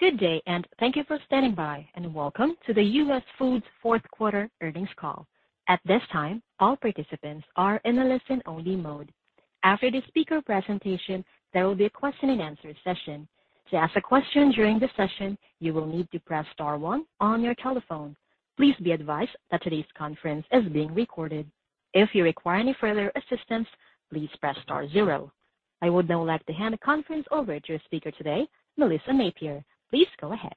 Good day, and thank you for standing by, and welcome to the US Foods Fourth Quarter Earnings Call. At this time, all participants are in a listen-only mode. After the speaker presentation, there will be a question and answer session. To ask a question during the session, you will need to press star 1 on your telephone. Please be advised that today's conference is being recorded. If you require any further assistance, please press star 0. I would now like to hand the conference over to your speaker today, Melissa Napier. Please go ahead.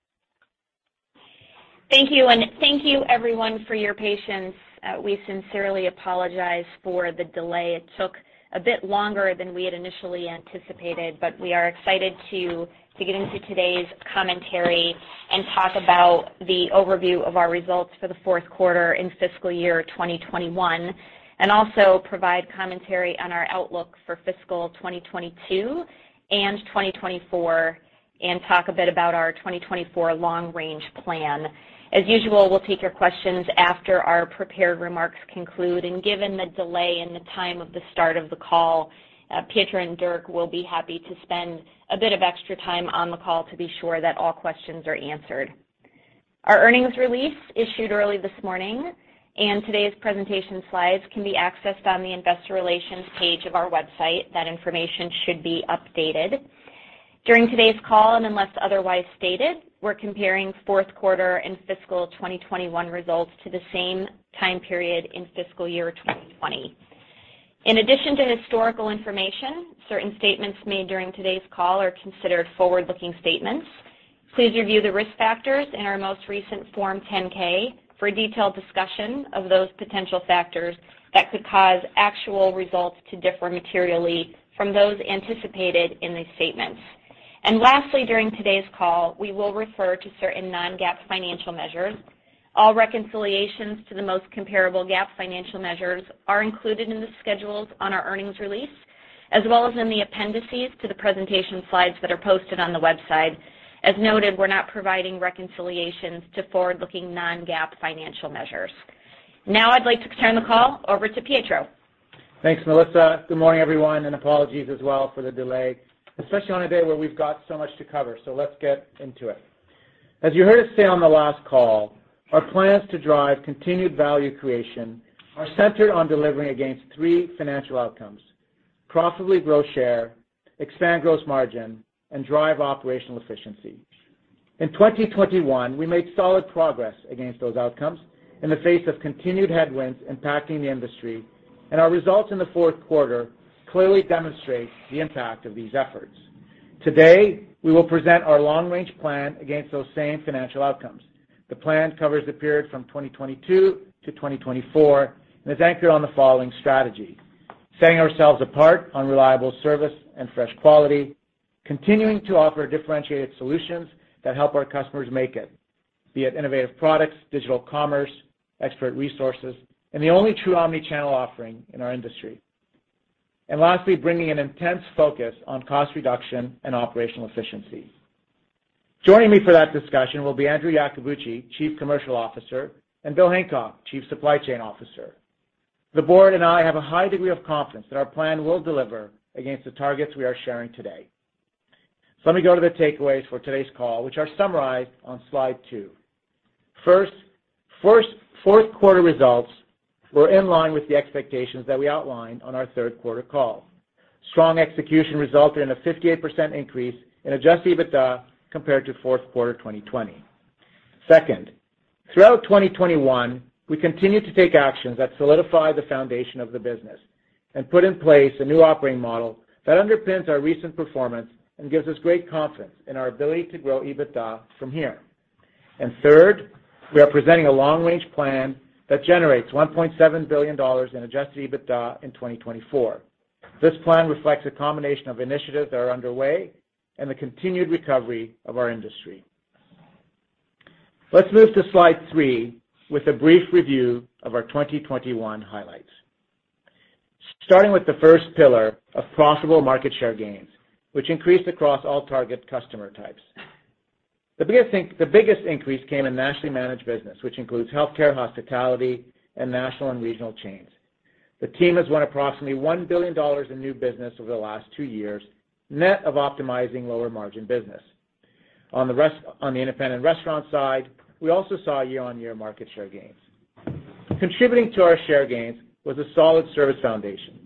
Thank you, and thank you everyone for your patience. We sincerely apologize for the delay. It took a bit longer than we had initially anticipated, but we are excited to get into today's commentary and talk about the overview of our results for the fourth quarter in fiscal year 2021, and also provide commentary on our outlook for fiscal 2022 and 2024, and talk a bit about our 2024 long range plan. As usual, we'll take your questions after our prepared remarks conclude. Given the delay in the time of the start of the call, Pietro and Dirk will be happy to spend a bit of extra time on the call to be sure that all questions are answered. Our earnings release was issued early this morning, and today's presentation slides can be accessed on the Investor Relations page of our website. That information should be updated. During today's call, unless otherwise stated, we're comparing fourth quarter and fiscal 2021 results to the same time period in fiscal year 2020. In addition to historical information, certain statements made during today's call are considered forward-looking statements. Please review the risk factors in our most recent Form 10-K for a detailed discussion of those potential factors that could cause actual results to differ materially from those anticipated in these statements. Lastly, during today's call, we will refer to certain non-GAAP financial measures. All reconciliations to the most comparable GAAP financial measures are included in the schedules on our earnings release, as well as in the appendices to the presentation slides that are posted on the website. As noted, we're not providing reconciliations to forward-looking non-GAAP financial measures. Now I'd like to turn the call over to Pietro. Thanks, Melissa. Good morning, everyone, and apologies as well for the delay, especially on a day where we've got so much to cover. Let's get into it. As you heard us say on the last call, our plans to drive continued value creation are centered on delivering against three financial outcomes. Profitably grow share, expand gross margin, and drive operational efficiency. In 2021, we made solid progress against those outcomes in the face of continued headwinds impacting the industry, and our results in the fourth quarter clearly demonstrate the impact of these efforts. Today, we will present our long range plan against those same financial outcomes. The plan covers the period from 2022 to 2024 and is anchored on the following strategy: setting ourselves apart on reliable service and fresh quality, continuing to offer differentiated solutions that help our customers make it, be it innovative products, digital commerce, expert resources, and the only true omni-channel offering in our industry. Lastly, bringing an intense focus on cost reduction and operational efficiency. Joining me for that discussion will be Andrew Iacobucci, Chief Commercial Officer, and Bill Hancock, Chief Supply Chain Officer. The board and I have a high degree of confidence that our plan will deliver against the targets we are sharing today. Let me go to the takeaways for today's call, which are summarized on slide 2. First, fourth quarter results were in line with the expectations that we outlined on our third quarter call. Strong execution resulted in a 58% increase in Adjusted EBITDA compared to fourth quarter 2020. Second, throughout 2021, we continued to take actions that solidify the foundation of the business and put in place a new operating model that underpins our recent performance and gives us great confidence in our ability to grow EBITDA from here. Third, we are presenting a long-range plan that generates $1.7 billion in Adjusted EBITDA in 2024. This plan reflects a combination of initiatives that are underway and the continued recovery of our industry. Let's move to slide 3 with a brief review of our 2021 highlights. Starting with the first pillar of profitable market share gains, which increased across all target customer types. The biggest increase came in nationally managed business, which includes healthcare, hospitality, and national and regional chains. The team has won approximately $1 billion in new business over the last two years, net of optimizing lower margin business. On the independent restaurant side, we also saw year-over-year market share gains. Contributing to our share gains was a solid service foundation.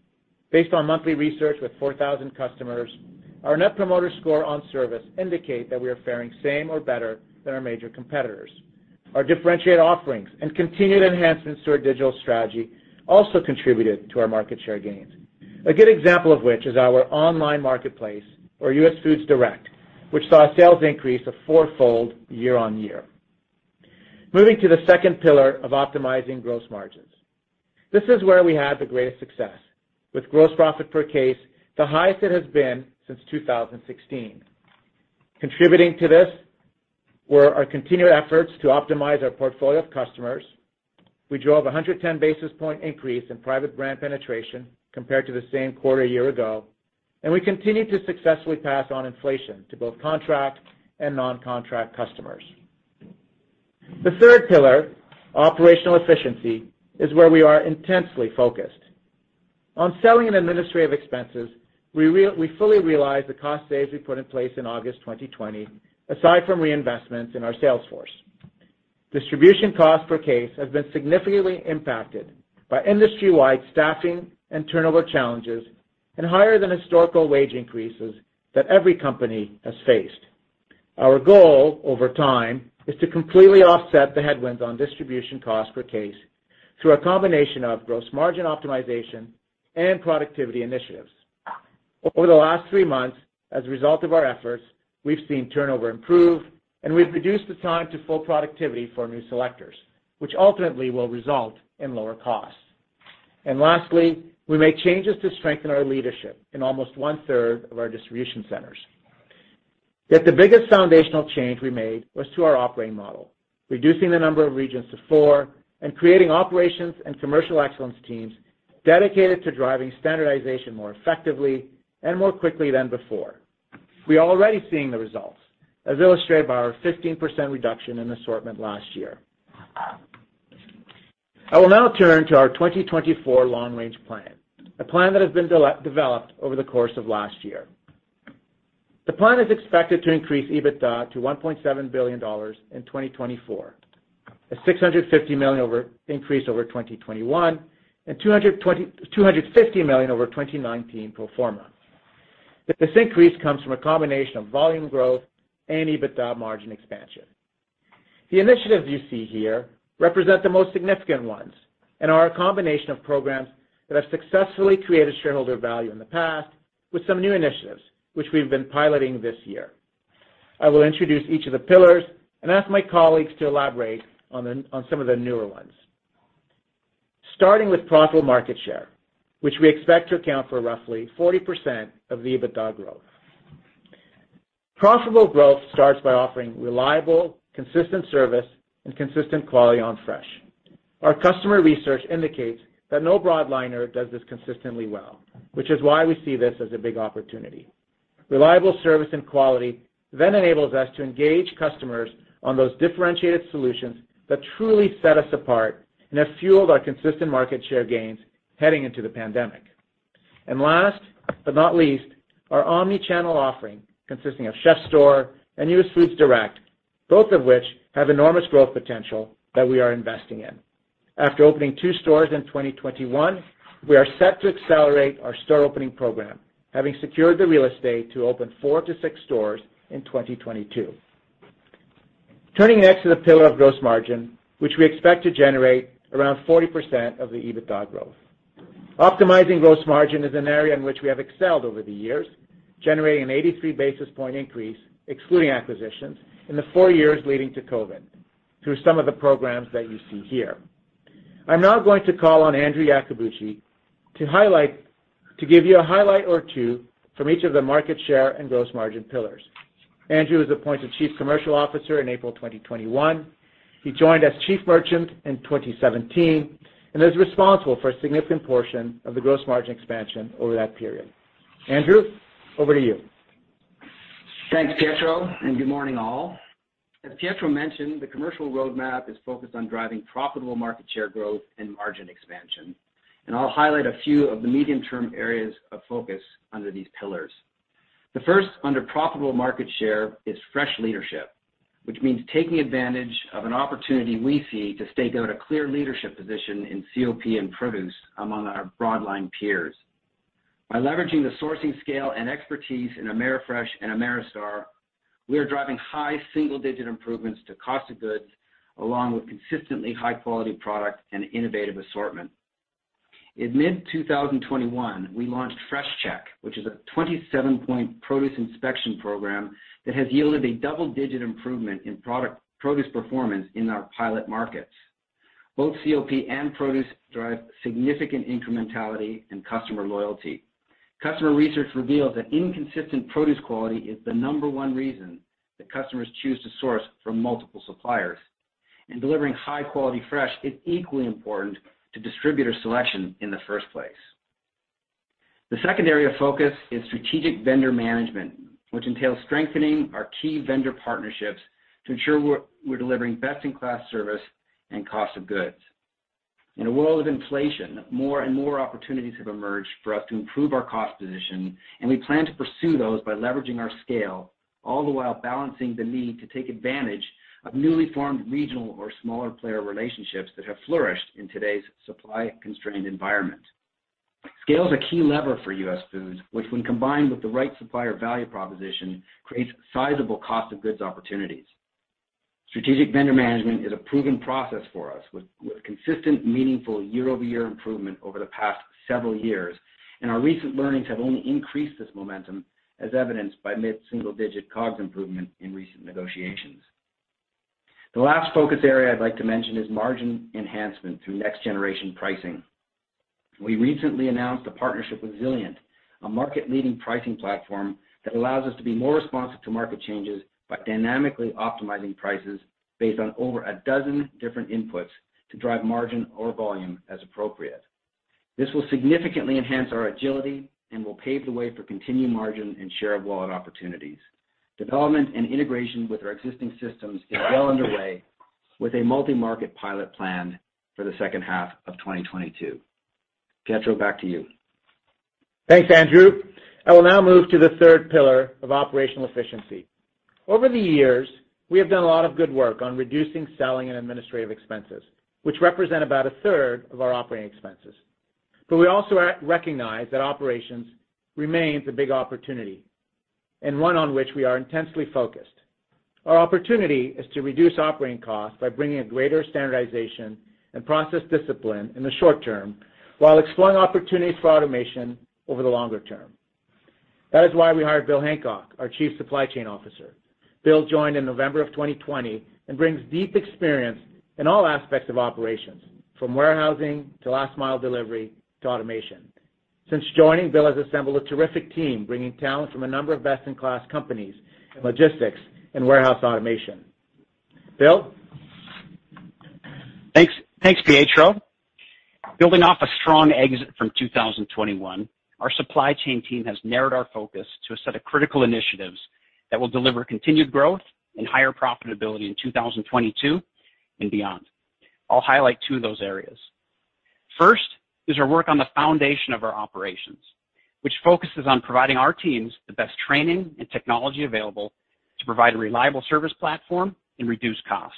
Based on monthly research with 4,000 customers, our Net Promoter Score on service indicate that we are faring same or better than our major competitors. Our differentiated offerings and continued enhancements to our digital strategy also contributed to our market share gains, a good example of which is our online marketplace our US Foods Direct, which saw sales increase to 4-fold year-over-year. Moving to the second pillar of optimizing gross margins. This is where we had the greatest success. With gross profit per case the highest it has been since 2016. Contributing to this were our continued efforts to optimize our portfolio of customers. We drove a 110 basis point increase in private brand penetration compared to the same quarter a year ago, and we continued to successfully pass on inflation to both contract and non-contract customers. The third pillar, operational efficiency, is where we are intensely focused. On selling and administrative expenses, we fully realize the cost savings we put in place in August 2020, aside from reinvestments in our sales force. Distribution costs per case have been significantly impacted by industry-wide staffing and turnover challenges and higher than historical wage increases that every company has faced. Our goal over time is to completely offset the headwinds on distribution cost per case through a combination of gross margin optimization and productivity initiatives. Over the last three months, as a result of our efforts, we've seen turnover improve, and we've reduced the time to full productivity for new selectors, which ultimately will result in lower costs. Lastly, we made changes to strengthen our leadership in almost one-third of our distribution centers. Yet the biggest foundational change we made was to our operating model, reducing the number of regions to four and creating operations and commercial excellence teams dedicated to driving standardization more effectively and more quickly than before. We are already seeing the results, as illustrated by our 15% reduction in assortment last year. I will now turn to our 2024 long-range plan, a plan that has been developed over the course of last year. The plan is expected to increase EBITDA to $1.7 billion in 2024, a $650 million increase over 2021, and $220 million-$250 million over 2019 pro forma. This increase comes from a combination of volume growth and EBITDA margin expansion. The initiatives you see here represent the most significant ones and are a combination of programs that have successfully created shareholder value in the past with some new initiatives, which we've been piloting this year. I will introduce each of the pillars and ask my colleagues to elaborate on some of the newer ones. Starting with profitable market share, which we expect to account for roughly 40% of the EBITDA growth. Profitable growth starts by offering reliable, consistent service, and consistent quality on fresh. Our customer research indicates that no broadliner does this consistently well, which is why we see this as a big opportunity. Reliable service and quality then enables us to engage customers on those differentiated solutions that truly set us apart and have fueled our consistent market share gains heading into the pandemic. Last but not least, our omni-channel offering consisting of Chef's Store and US Foods Direct, both of which have enormous growth potential that we are investing in. After opening two stores in 2021, we are set to accelerate our store opening program, having secured the real estate to open 4-6 stores in 2022. Turning next to the pillar of gross margin, which we expect to generate around 40% of the EBITDA growth. Optimizing gross margin is an area in which we have excelled over the years, generating an 83 basis point increase, excluding acquisitions, in the four years leading to COVID, through some of the programs that you see here. I'm now going to call on Andrew Iacobucci to give you a highlight or two from each of the market share and gross margin pillars. Andrew was appointed Chief Commercial Officer in April 2021. He joined as Chief Merchant in 2017 and is responsible for a significant portion of the gross margin expansion over that period. Andrew, over to you. Thanks, Pietro, and good morning, all. As Pietro mentioned, the commercial roadmap is focused on driving profitable market share growth and margin expansion. I'll highlight a few of the medium-term areas of focus under these pillars. The first under profitable market share is fresh leadership, which means taking advantage of an opportunity we see to stake out a clear leadership position in COP and produce among our broad line peers. By leveraging the sourcing scale and expertise in Amerifresh and Ameristar, we are driving high single-digit improvements to cost of goods along with consistently high-quality product and innovative assortment. In mid-2021, we launched Fresh Check, which is a 27-point produce inspection program that has yielded a double-digit improvement in produce performance in our pilot markets. Both COP and produce drive significant incrementality and customer loyalty. Customer research reveals that inconsistent produce quality is the number one reason that customers choose to source from multiple suppliers, and delivering high-quality fresh is equally important to distributor selection in the first place. The second area of focus is strategic vendor management, which entails strengthening our key vendor partnerships to ensure we're delivering best-in-class service and cost of goods. In a world of inflation, more and more opportunities have emerged for us to improve our cost position, and we plan to pursue those by leveraging our scale, all the while balancing the need to take advantage of newly formed regional or smaller player relationships that have flourished in today's supply-constrained environment. Scale is a key lever for US Foods, which when combined with the right supplier value proposition, creates sizable cost of goods opportunities. Strategic vendor management is a proven process for us with consistent, meaningful year-over-year improvement over the past several years, and our recent learnings have only increased this momentum, as evidenced by mid-single-digit COGS improvement in recent negotiations. The last focus area I'd like to mention is margin enhancement through next-generation pricing. We recently announced a partnership with Zilliant, a market-leading pricing platform that allows us to be more responsive to market changes by dynamically optimizing prices based on over a dozen different inputs to drive margin or volume as appropriate. This will significantly enhance our agility and will pave the way for continued margin and share of wallet opportunities. Development and integration with our existing systems is well underway with a multi-market pilot plan for the second half of 2022. Pietro, back to you. Thanks, Andrew. I will now move to the third pillar of operational efficiency. Over the years, we have done a lot of good work on reducing selling and administrative expenses, which represent about a third of our operating expenses. We also recognize that operations remains a big opportunity and one on which we are intensely focused. Our opportunity is to reduce operating costs by bringing a greater standardization and process discipline in the short term while exploring opportunities for automation over the longer term. That is why we hired Bill Hancock, our Chief Supply Chain Officer. Bill joined in November 2020 and brings deep experience in all aspects of operations, from warehousing to last mile delivery to automation. Since joining, Bill has assembled a terrific team, bringing talent from a number of best-in-class companies in logistics and warehouse automation. Bill? Thanks, thanks, Pietro. Building off a strong exit from 2021, our supply chain team has narrowed our focus to a set of critical initiatives that will deliver continued growth and higher profitability in 2022 and beyond. I'll highlight two of those areas. First is our work on the foundation of our operations, which focuses on providing our teams the best training and technology available to provide a reliable service platform and reduce cost.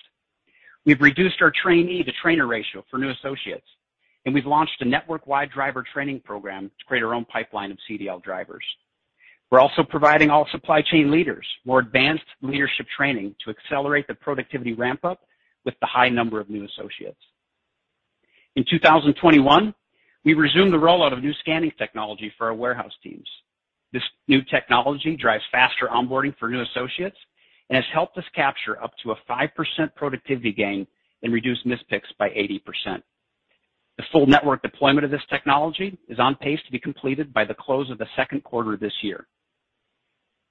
We've reduced our trainee-to-trainer ratio for new associates, and we've launched a network-wide driver training program to create our own pipeline of CDL drivers. We're also providing all supply chain leaders more advanced leadership training to accelerate the productivity ramp-up with the high number of new associates. In 2021, we resumed the rollout of new scanning technology for our warehouse teams. This new technology drives faster onboarding for new associates and has helped us capture up to a 5% productivity gain and reduce mispicks by 80%. The full network deployment of this technology is on pace to be completed by the close of the second quarter this year.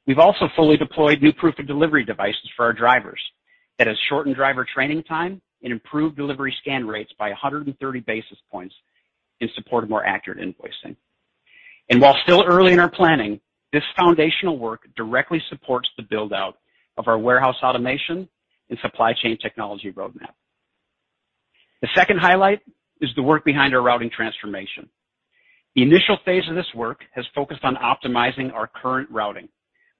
We've also fully deployed new proof of delivery devices for our drivers that has shortened driver training time and improved delivery scan rates by 130 basis points in support of more accurate invoicing. While still early in our planning, this foundational work directly supports the build-out of our warehouse automation and supply chain technology roadmap. The second highlight is the work behind our routing transformation. The initial phase of this work has focused on optimizing our current routing,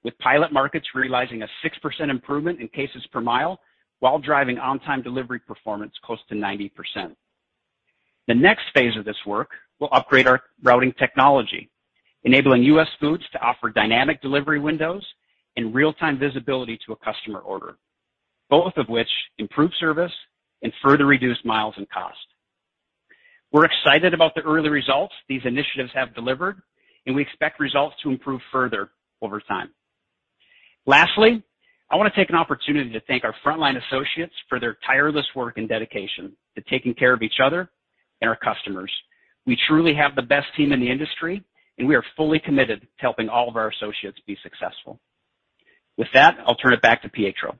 with pilot markets realizing a 6% improvement in cases per mile while driving on-time delivery performance close to 90%. The next phase of this work will upgrade our routing technology, enabling US Foods to offer dynamic delivery windows and real-time visibility to a customer order, both of which improve service and further reduce miles and cost. We're excited about the early results these initiatives have delivered, and we expect results to improve further over time. Lastly, I wanna take an opportunity to thank our frontline associates for their tireless work and dedication to taking care of each other and our customers. We truly have the best team in the industry, and we are fully committed to helping all of our associates be successful. With that, I'll turn it back to Pietro.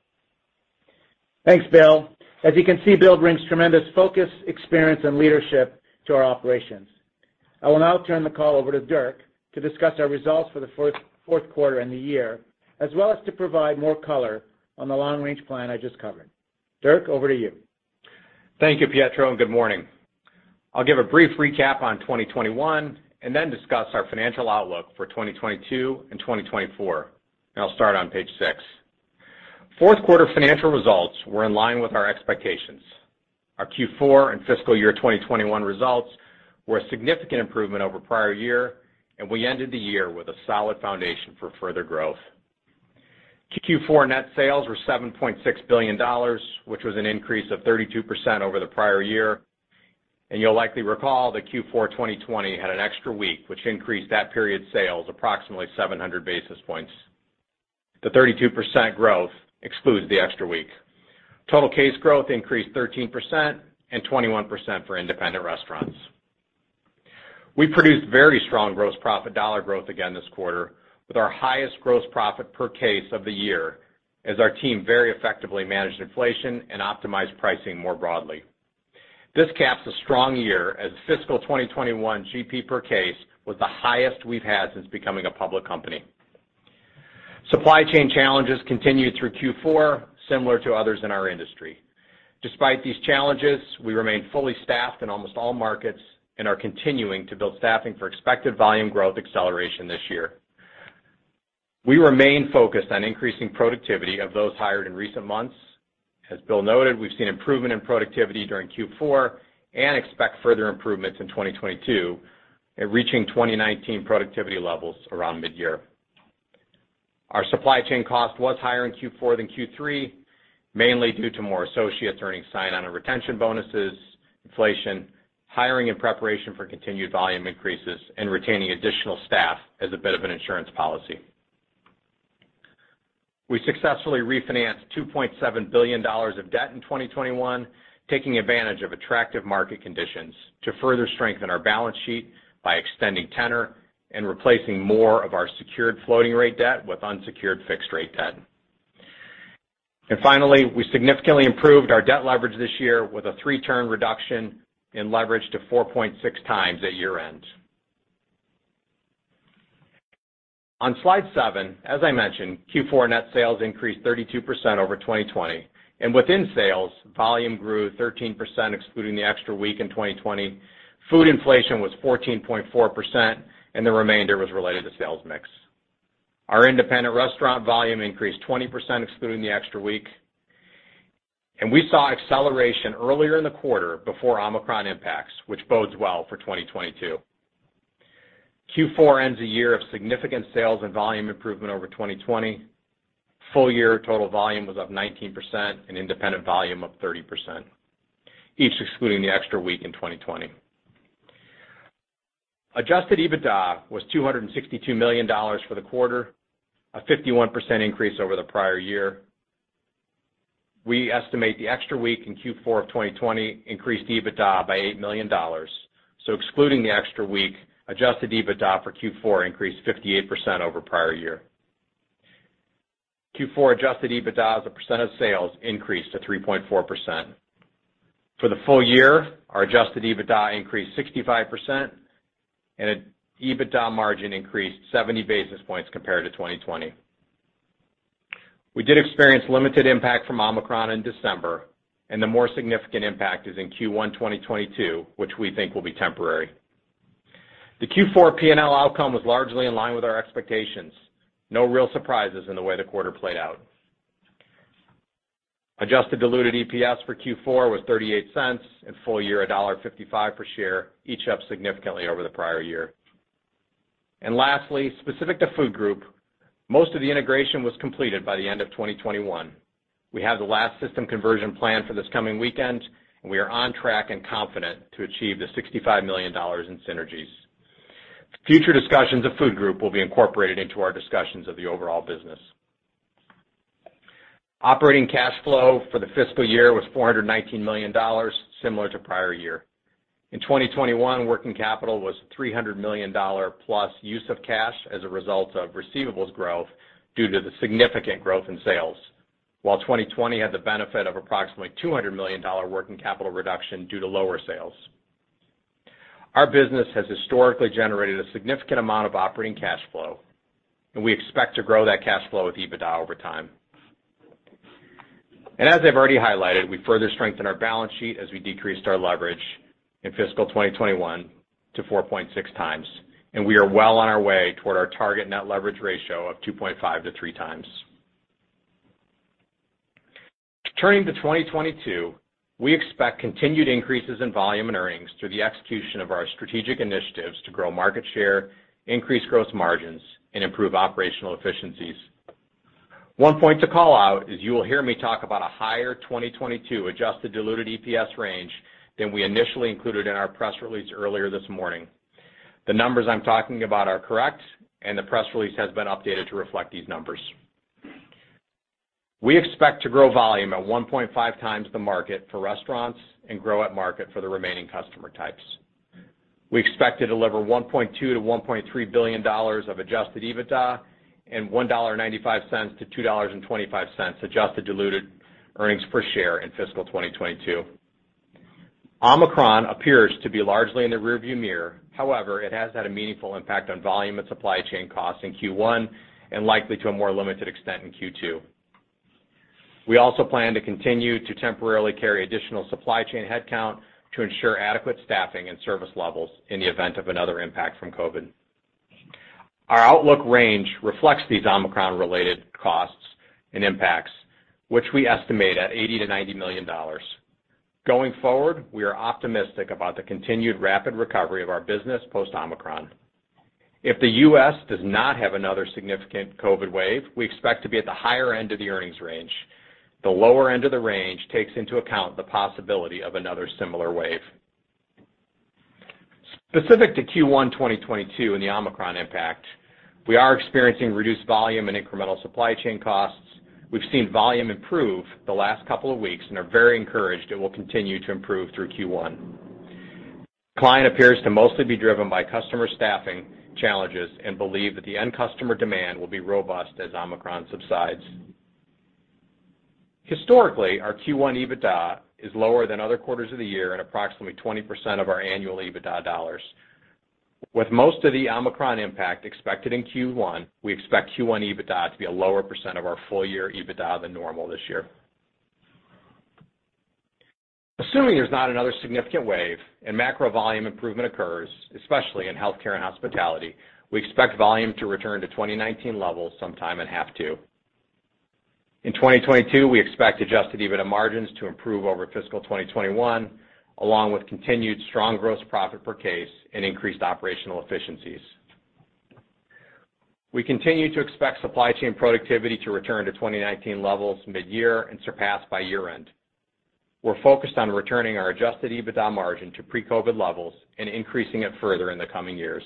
Thanks, Bill. As you can see, Bill brings tremendous focus, experience, and leadership to our operations. I will now turn the call over to Dirk to discuss our results for the fourth quarter and the year, as well as to provide more color on the long-range plan I just covered. Dirk, over to you. Thank you, Pietro, and good morning. I'll give a brief recap on 2021 and then discuss our financial outlook for 2022 and 2024. I'll start on page 6. Fourth quarter financial results were in line with our expectations. Our Q4 and fiscal year 2021 results were a significant improvement over prior year, and we ended the year with a solid foundation for further growth. Q4 net sales were $7.6 billion, which was an increase of 32% over the prior year. You'll likely recall that Q4 2020 had an extra week, which increased that period's sales approximately 700 basis points. The 32% growth excludes the extra week. Total case growth increased 13% and 21% for independent restaurants. We produced very strong gross profit dollar growth again this quarter with our highest gross profit per case of the year as our team very effectively managed inflation and optimized pricing more broadly. This caps a strong year as fiscal 2021 GP per case was the highest we've had since becoming a public company. Supply chain challenges continued through Q4, similar to others in our industry. Despite these challenges, we remain fully staffed in almost all markets and are continuing to build staffing for expected volume growth acceleration this year. We remain focused on increasing productivity of those hired in recent months. As Bill noted, we've seen improvement in productivity during Q4 and expect further improvements in 2022 and reaching 2019 productivity levels around mid-year. Our supply chain cost was higher in Q4 than Q3, mainly due to more associates earning sign-on and retention bonuses, inflation, hiring in preparation for continued volume increases, and retaining additional staff as a bit of an insurance policy. We successfully refinanced $2.7 billion of debt in 2021, taking advantage of attractive market conditions to further strengthen our balance sheet by extending tenor and replacing more of our secured floating rate debt with unsecured fixed rate debt. Finally, we significantly improved our debt leverage this year with a three-turn reduction in leverage to 4.6x at year-end. On Slide 7, as I mentioned, Q4 net sales increased 32% over 2020, and within sales, volume grew 13% excluding the extra week in 2020. Food inflation was 14.4%, and the remainder was related to sales mix. Our independent restaurant volume increased 20% excluding the extra week. We saw acceleration earlier in the quarter before Omicron impacts, which bodes well for 2022. Q4 ends a year of significant sales and volume improvement over 2020. Full year total volume was up 19% and independent volume up 30%, each excluding the extra week in 2020. Adjusted EBITDA was $262 million for the quarter, a 51% increase over the prior year. We estimate the extra week in Q4 of 2020 increased EBITDA by $8 million. Excluding the extra week, Adjusted EBITDA for Q4 increased 58% over prior year. Q4 Adjusted EBITDA as a percent of sales increased to 3.4%. For the full year, our Adjusted EBITDA increased 65%, and EBITDA margin increased 70 basis points compared to 2020. We did experience limited impact from Omicron in December, and the more significant impact is in Q1 2022, which we think will be temporary. The Q4 P&L outcome was largely in line with our expectations. No real surprises in the way the quarter played out. Adjusted diluted EPS for Q4 was $0.38 and full year $1.55 per share, each up significantly over the prior year. Lastly, specific to Food Group, most of the integration was completed by the end of 2021. We have the last system conversion plan for this coming weekend, and we are on track and confident to achieve $65 million in synergies. Future discussions of Food Group will be incorporated into our discussions of the overall business. Operating cash flow for the fiscal year was $419 million, similar to prior year. In 2021, working capital was $300 million plus use of cash as a result of receivables growth due to the significant growth in sales, while 2020 had the benefit of approximately $200 million working capital reduction due to lower sales. Our business has historically generated a significant amount of operating cash flow, and we expect to grow that cash flow with EBITDA over time. As I've already highlighted, we further strengthen our balance sheet as we decreased our leverage in fiscal 2021 to 4.6x, and we are well on our way toward our target net leverage ratio of 2.5x-3x. Turning to 2022, we expect continued increases in volume and earnings through the execution of our strategic initiatives to grow market share, increase gross margins, and improve operational efficiencies. One point to call out is you will hear me talk about a higher 2022 adjusted diluted EPS range than we initially included in our press release earlier this morning. The numbers I'm talking about are correct, and the press release has been updated to reflect these numbers. We expect to grow volume at 1.5 times the market for restaurants and grow at market for the remaining customer types. We expect to deliver $1.2 billion-$1.3 billion of Adjusted EBITDA and $1.95-$2.25 adjusted diluted earnings per share in fiscal 2022. Omicron appears to be largely in the rearview mirror. However, it has had a meaningful impact on volume and supply chain costs in Q1 and likely to a more limited extent in Q2. We also plan to continue to temporarily carry additional supply chain headcount to ensure adequate staffing and service levels in the event of another impact from COVID. Our outlook range reflects these Omicron-related costs and impacts, which we estimate at $80 million-$90 million. Going forward, we are optimistic about the continued rapid recovery of our business post Omicron. If the U.S. does not have another significant COVID wave, we expect to be at the higher end of the earnings range. The lower end of the range takes into account the possibility of another similar wave. Specific to Q1 2022 and the Omicron impact, we are experiencing reduced volume and incremental supply chain costs. We've seen volume improve the last couple of weeks and are very encouraged it will continue to improve through Q1. Decline appears to mostly be driven by customer staffing challenges and we believe that the end customer demand will be robust as Omicron subsides. Historically, our Q1 EBITDA is lower than other quarters of the year at approximately 20% of our annual EBITDA dollars. With most of the Omicron impact expected in Q1, we expect Q1 EBITDA to be a lower percent of our full-year EBITDA than normal this year. Assuming there's not another significant wave and macro volume improvement occurs, especially in healthcare and hospitality, we expect volume to return to 2019 levels sometime in H2. In 2022, we expect Adjusted EBITDA margins to improve over fiscal 2021, along with continued strong gross profit per case and increased operational efficiencies. We continue to expect supply chain productivity to return to 2019 levels mid-year and surpassed by year-end. We're focused on returning our Adjusted EBITDA margin to pre-COVID levels and increasing it further in the coming years.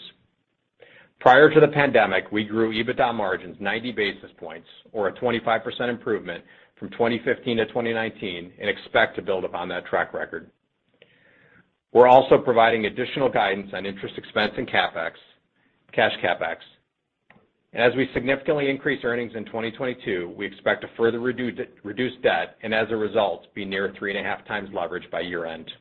Prior to the pandemic, we grew EBITDA margins 90 basis points or a 25% improvement from 2015 to 2019 and expect to build upon that track record. We're also providing additional guidance on interest expense and CapEx, cash CapEx. As we significantly increase earnings in 2022, we expect to further reduce debt and as a result, be near 3.5 times leverage by year-end.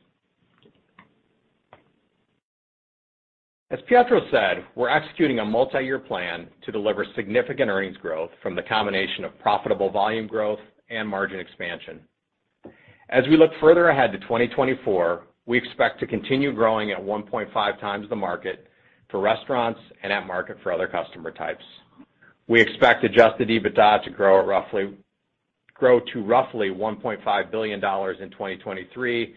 As Pietro said, we're executing a multiyear plan to deliver significant earnings growth from the combination of profitable volume growth and margin expansion. As we look further ahead to 2024, we expect to continue growing at 1.5 times the market for restaurants and at market for other customer types. We expect Adjusted EBITDA to grow to roughly $1.5 billion in 2023,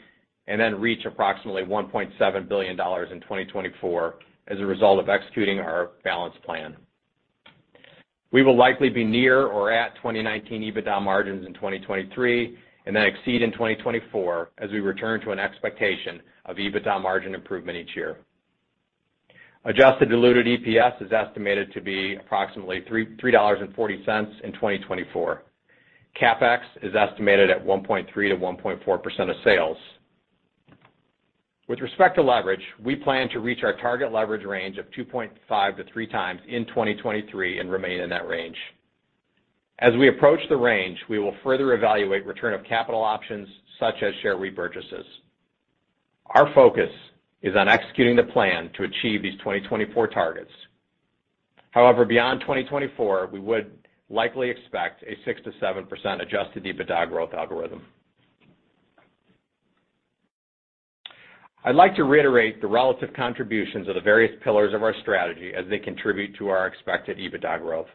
and then reach approximately $1.7 billion in 2024 as a result of executing our balanced plan. We will likely be near or at 2019 EBITDA margins in 2023, and then exceed in 2024 as we return to an expectation of EBITDA margin improvement each year. Adjusted diluted EPS is estimated to be approximately $3.40 in 2024. CapEx is estimated at 1.3%-1.4% of sales. With respect to leverage, we plan to reach our target leverage range of 2.5x-3x in 2023 and remain in that range. As we approach the range, we will further evaluate return of capital options such as share repurchases. Our focus is on executing the plan to achieve these 2024 targets. However, beyond 2024, we would likely expect a 6%-7% Adjusted EBITDA growth algorithm. I'd like to reiterate the relative contributions of the various pillars of our strategy as they contribute to our expected EBITDA growth.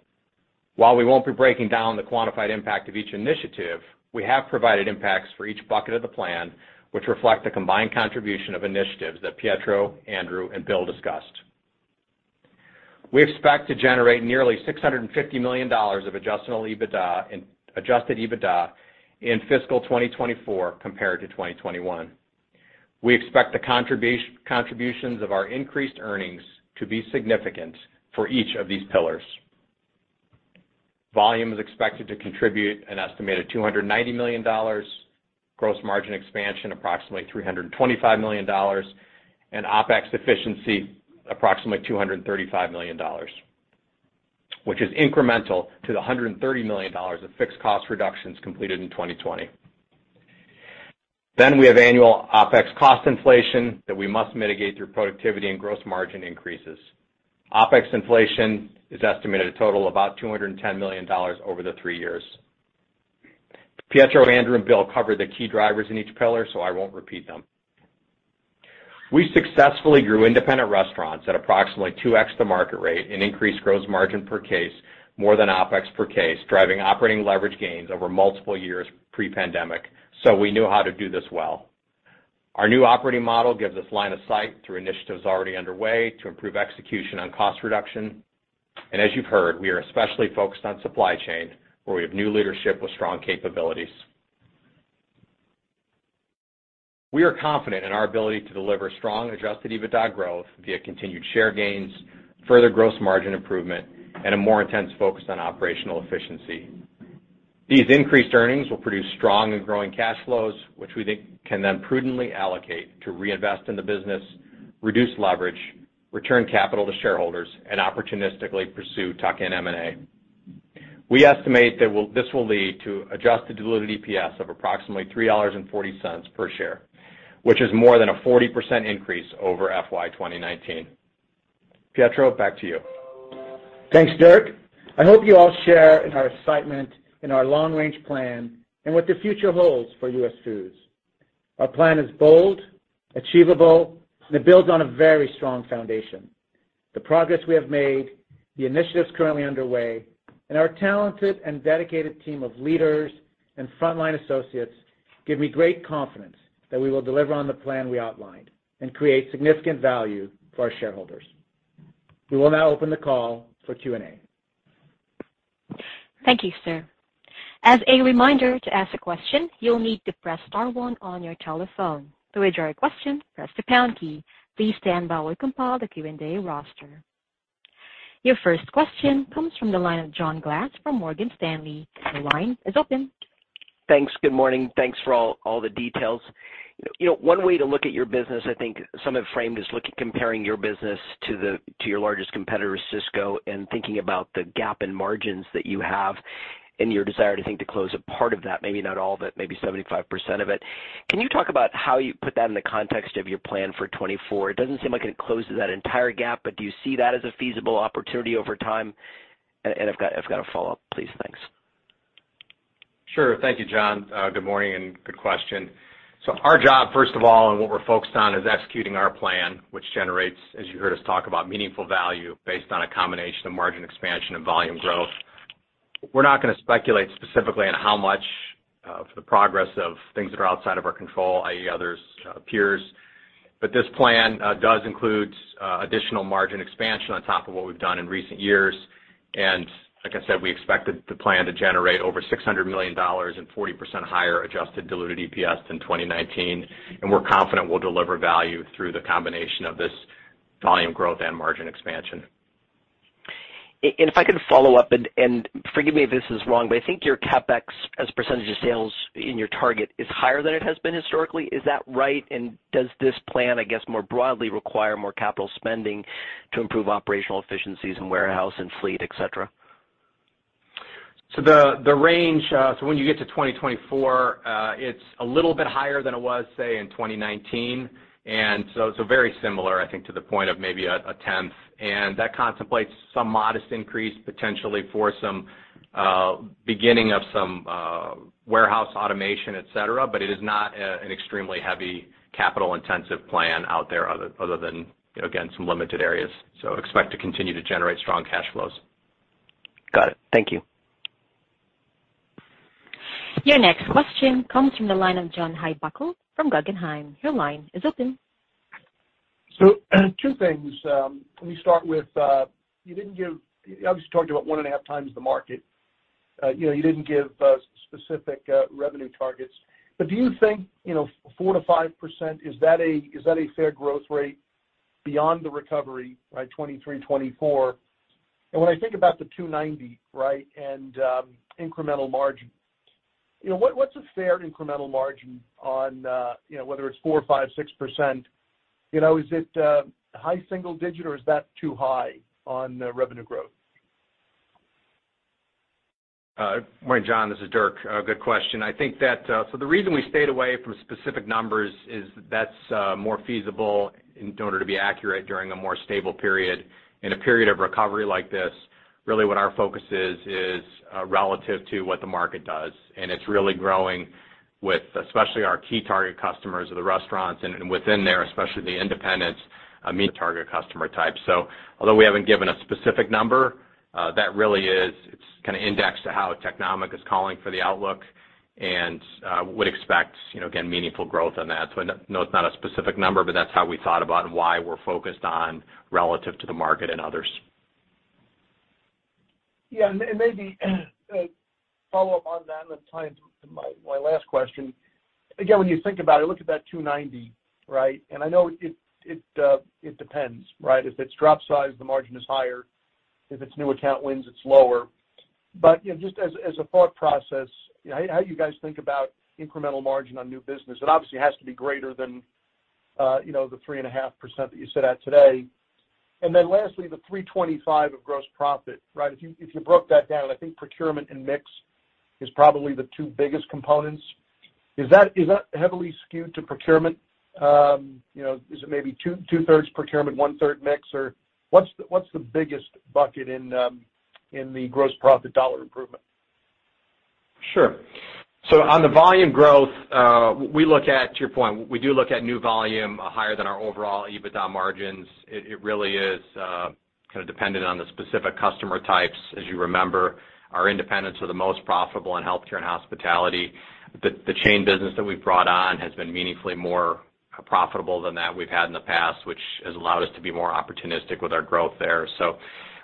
While we won't be breaking down the quantified impact of each initiative, we have provided impacts for each bucket of the plan, which reflect the combined contribution of initiatives that Pietro, Andrew, and Bill discussed. We expect to generate nearly $650 million of Adjusted EBITDA in fiscal 2024 compared to 2021. We expect the contributions of our increased earnings to be significant for each of these pillars. Volume is expected to contribute an estimated $290 million, gross margin expansion, approximately $325 million, and OpEx efficiency, approximately $235 million, which is incremental to the $130 million of fixed cost reductions completed in 2020. We have annual OpEx cost inflation that we must mitigate through productivity and gross margin increases. OpEx inflation is estimated a total of about $210 million over the three years. Pietro, Andrew, and Bill covered the key drivers in each pillar, so I won't repeat them. We successfully grew independent restaurants at approximately 2x the market rate and increased gross margin per case more than OpEx per case, driving operating leverage gains over multiple years pre-pandemic, so we knew how to do this well. Our new operating model gives us line of sight through initiatives already underway to improve execution on cost reduction. As you've heard, we are especially focused on supply chain, where we have new leadership with strong capabilities. We are confident in our ability to deliver strong Adjusted EBITDA growth via continued share gains, further gross margin improvement, and a more intense focus on operational efficiency. These increased earnings will produce strong and growing cash flows, which we think can then prudently allocate to reinvest in the business, reduce leverage, return capital to shareholders, and opportunistically pursue tuck-in M&A. We estimate this will lead to adjusted diluted EPS of approximately $3.40 per share, which is more than a 40% increase over FY 2019. Pietro, back to you. Thanks, Dirk. I hope you all share in our excitement in our long range plan and what the future holds for US Foods. Our plan is bold, achievable, and it builds on a very strong foundation. The progress we have made, the initiatives currently underway, and our talented and dedicated team of leaders and frontline associates give me great confidence that we will deliver on the plan we outlined and create significant value for our shareholders. We will now open the call for Q&A. Thank you, sir. As a reminder to ask a question, you'll need to press star 1 on your telephone. To withdraw your question, press the pound key. Please stand by while we compile the Q&A roster. Your first question comes from the line of John Glass from Morgan Stanley. Your line is open. Thanks. Good morning. Thanks for all the details. You know, one way to look at your business, I think some have framed is look at comparing your business to your largest competitor, Sysco, and thinking about the gap in margins that you have and your desire to close a part of that, maybe not all of it, maybe 75% of it. Can you talk about how you put that in the context of your plan for 2024? It doesn't seem like it closes that entire gap, but do you see that as a feasible opportunity over time? I've got a follow-up, please. Thanks. Sure. Thank you, John. Good morning and good question. Our job, first of all, and what we're focused on, is executing our plan, which generates, as you heard us talk about, meaningful value based on a combination of margin expansion and volume growth. We're not gonna speculate specifically on how much for the progress of things that are outside of our control, i.e., others, peers. This plan does include additional margin expansion on top of what we've done in recent years. Like I said, we expect the plan to generate over $600 million and 40% higher adjusted diluted EPS than 2019. We're confident we'll deliver value through the combination of this volume growth and margin expansion. If I could follow up and forgive me if this is wrong, but I think your CapEx as a percentage of sales in your target is higher than it has been historically. Is that right? Does this plan, I guess, more broadly require more capital spending to improve operational efficiencies in warehouse and fleet, et cetera? The range, when you get to 2024, it's a little bit higher than it was, say, in 2019. Very similar, I think, to the point of maybe a 10th. That contemplates some modest increase potentially for some beginning of some warehouse automation, et cetera, but it is not an extremely heavy capital-intensive plan out there other than, you know, again, some limited areas. Expect to continue to generate strong cash flows. Got it. Thank you. Your next question comes from the line of John Heinbockel from Guggenheim. Your line is open. Two things. Let me start with, you didn't give. You obviously talked about 1.5 times the market. You know, you didn't give specific revenue targets. Do you think, you know, 4%-5%, is that a fair growth rate beyond the recovery by 2023, 2024? When I think about the 290, right, and incremental margin, you know, what's a fair incremental margin on, you know, whether it's 4%, 5%, 6%? You know, is it high single digit, or is that too high on the revenue growth? Good morning, John, this is Dirk. Good question. I think that the reason we stayed away from specific numbers is that's more feasible in order to be accurate during a more stable period. In a period of recovery like this, really what our focus is relative to what the market does. It's really growing with especially our key target customers or the restaurants, and within there, especially the independents, I mean, target customer types. Although we haven't given a specific number, that really is, it's kind of indexed to how Technomic is calling for the outlook, and would expect, you know, again, meaningful growth on that. No, it's not a specific number, but that's how we thought about and why we're focused on relative to the market and others. Yeah. Maybe follow up on that and tie into my last question. Again, when you think about it, look at that 2.90%, right? I know it depends, right? If it's drop size, the margin is higher. If it's new account wins, it's lower. You know, just as a thought process, how you guys think about incremental margin on new business, it obviously has to be greater than, you know, the 3.5% that you said today. Then lastly, the 3.25% of gross profit, right? If you broke that down, I think procurement and mix is probably the two biggest components. Is that heavily skewed to procurement? You know, is it maybe two-thirds procurement, one-third mix? What's the biggest bucket in the gross profit dollar improvement? Sure. On the volume growth, we look at, to your point, we do look at new volume higher than our overall EBITDA margins. It really is kind of dependent on the specific customer types. As you remember, our independents are the most profitable in healthcare and hospitality. The chain business that we've brought on has been meaningfully more profitable than that we've had in the past, which has allowed us to be more opportunistic with our growth there.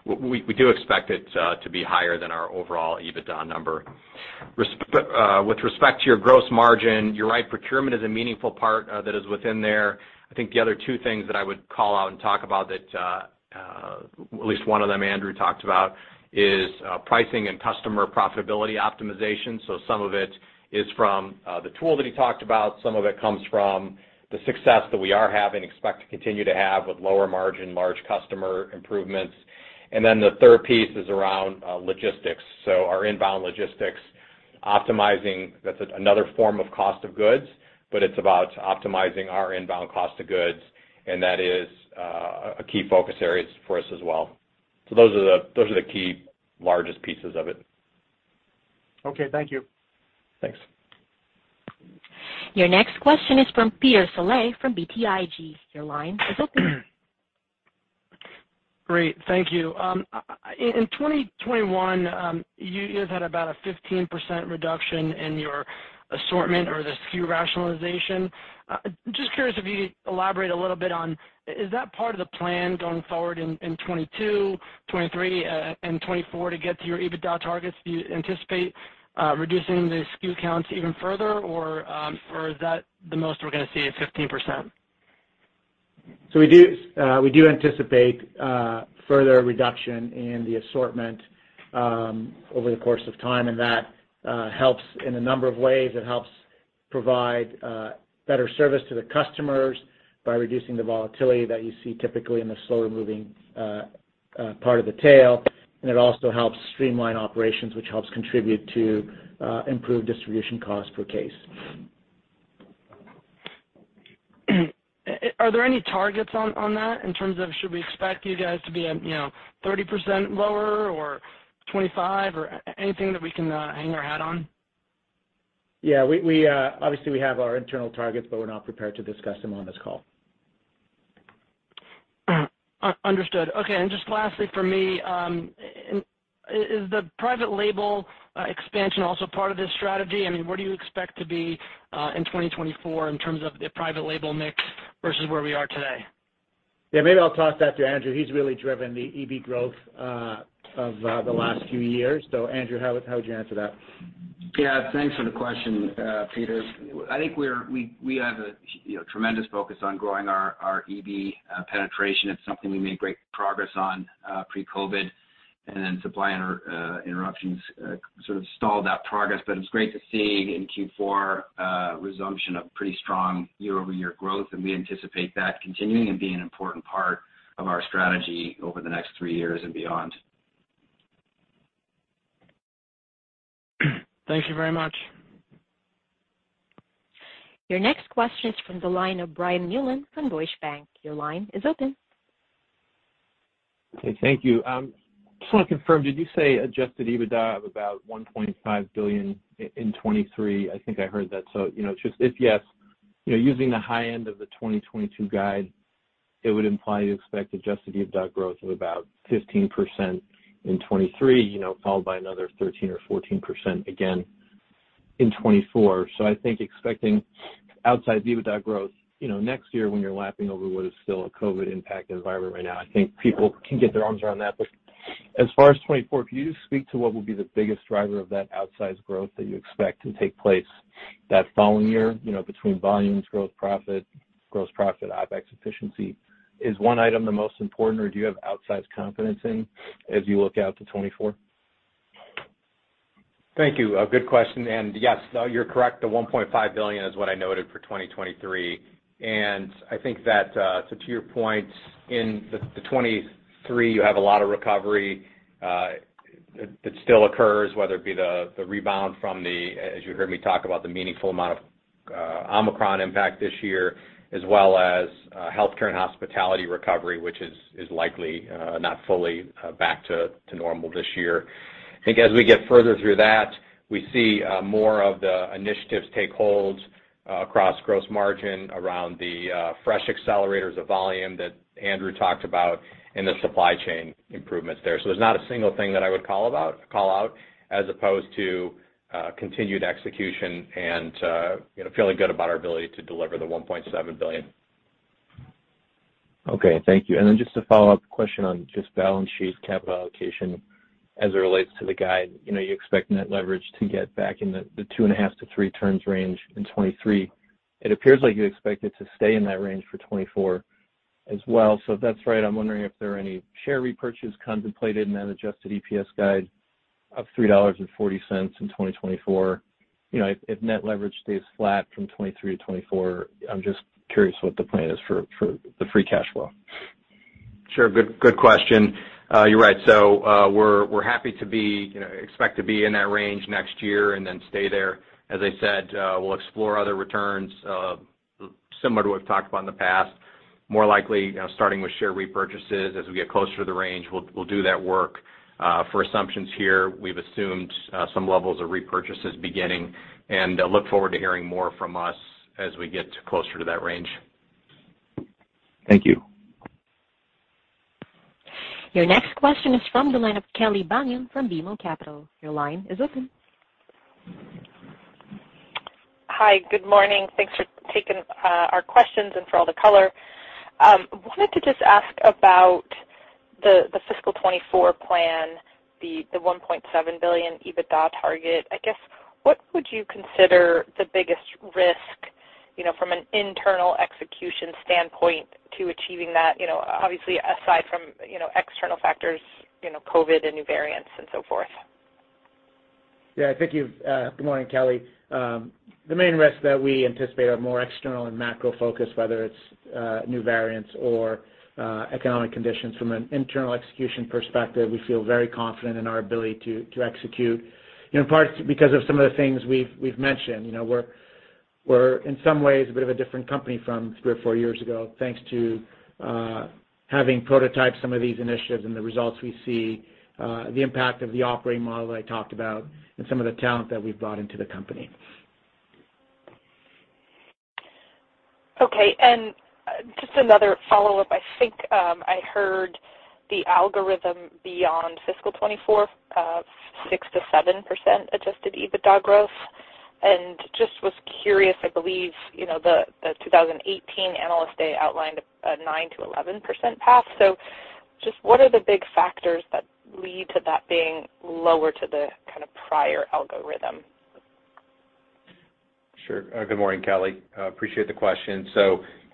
We do expect it to be higher than our overall EBITDA number. With respect to your gross margin, you're right, procurement is a meaningful part that is within there. I think the other two things that I would call out and talk about that at least one of them Andrew talked about is pricing and customer profitability optimization. Some of it is from the tool that he talked about. Some of it comes from the success that we are having, expect to continue to have with lower margin, large customer improvements. The third piece is around logistics. Our inbound logistics, optimizing, that's another form of cost of goods, but it's about optimizing our inbound cost of goods, and that is a key focus area for us as well. Those are the key largest pieces of it. Okay, thank you. Thanks. Your next question is from Peter Saleh from BTIG. Your line is open. Great, thank you. In 2021, you guys had about a 15% reduction in your assortment or the SKU rationalization. Just curious if you could elaborate a little bit on, is that part of the plan going forward in 2022, 2023, and 2024 to get to your EBITDA targets? Do you anticipate reducing the SKU counts even further or is that the most we're gonna see is 15%? We do anticipate further reduction in the assortment over the course of time, and that helps in a number of ways. It helps provide better service to the customers by reducing the volatility that you see typically in the slower moving part of the tail. It also helps streamline operations, which helps contribute to improved distribution cost per case. Are there any targets on that in terms of should we expect you guys to be, you know, 30% lower or 25% or anything that we can hang our hat on? Yeah, obviously we have our internal targets, but we're not prepared to discuss them on this call. Understood. Okay, and just lastly for me, is the private label expansion also part of this strategy? I mean, where do you expect to be, in 2024 in terms of the private label mix versus where we are today? Yeah, maybe I'll toss that to Andrew. He's really driven the EB growth of the last few years. So Andrew, how would you answer that? Yeah, thanks for the question, Peter. I think we have a, you know, tremendous focus on growing our EB penetration. It's something we made great progress on pre-COVID, and then supply interruptions sort of stalled that progress. But it's great to see in Q4 resumption of pretty strong year-over-year growth, and we anticipate that continuing and being an important part of our strategy over the next three years and beyond. Thank you very much. Your next question is from the line of Brian Mullan from Deutsche Bank. Your line is open. Okay, thank you. Just wanna confirm, did you say Adjusted EBITDA of about $1.5 billion in 2023? I think I heard that. You know, just if yes, you know, using the high end of the 2022 guide, it would imply you expect Adjusted EBITDA growth of about 15% in 2023, you know, followed by another 13% or 14% again in 2024. I think expecting outsized EBITDA growth, you know, next year when you're lapping over what is still a COVID impacted environment right now, I think people can get their arms around that. But as far as 2024, can you just speak to what will be the biggest driver of that outsized growth that you expect to take place that following year, you know, between volumes growth, profit, gross profit, OpEx efficiency? Is one item the most important or do you have outsized confidence in as you look out to 2024? Thank you. A good question. Yes, no, you're correct. The $1.5 billion is what I noted for 2023. I think that so to your point, in the 2023, you have a lot of recovery that still occurs, whether it be the rebound from the, as you heard me talk about, the meaningful amount of Omicron impact this year, as well as healthcare and hospitality recovery, which is likely not fully back to normal this year. I think as we get further through that, we see more of the initiatives take hold across gross margin around the fresh accelerators of volume that Andrew talked about and the supply chain improvements there. There's not a single thing that I would call out as opposed to continued execution and you know feeling good about our ability to deliver the $1.7 billion. Okay. Thank you. Just a follow-up question on just balance sheet capital allocation as it relates to the guide. You know, you expect net leverage to get back in the 2.5-3 turns range in 2023. It appears like you expect it to stay in that range for 2024 as well. If that's right, I'm wondering if there are any share repurchases contemplated in that adjusted EPS guide of $3.40 in 2024. You know, if net leverage stays flat from 2023 to 2024, I'm just curious what the plan is for the free cash flow. Sure. Good question. You're right. We're happy to, you know, expect to be in that range next year and then stay there. As I said, we'll explore other returns similar to what we've talked about in the past. More likely, you know, starting with share repurchases. As we get closer to the range, we'll do that work. For assumptions here, we've assumed some levels of repurchases beginning, and look forward to hearing more from us as we get closer to that range. Thank you. Your next question is from the line of Kelly Bania from BMO Capital. Your line is open. Hi. Good morning. Thanks for taking our questions and for all the color. Wanted to just ask about the fiscal 2024 plan, the $1.7 billion EBITDA target. I guess, what would you consider the biggest risk, you know, from an internal execution standpoint to achieving that? You know, obviously aside from, you know, external factors, you know, COVID and new variants and so forth. Yeah, thank you. Good morning, Kelly. The main risks that we anticipate are more external and macro-focused, whether it's new variants or economic conditions. From an internal execution perspective, we feel very confident in our ability to execute, you know, in part because of some of the things we've mentioned. You know, we're in some ways a bit of a different company from three or four years ago, thanks to having prototyped some of these initiatives and the results we see, the impact of the operating model that I talked about and some of the talent that we've brought into the company. Okay. Just another follow-up. I think I heard the algorithm beyond fiscal 2024, 6%-7% Adjusted EBITDA growth. I just was curious, I believe, you know, the 2018 Analyst Day outlined a 9%-11% path. What are the big factors that lead to that being lower to the kind of prior algorithm? Sure. Good morning, Kelly. Appreciate the question.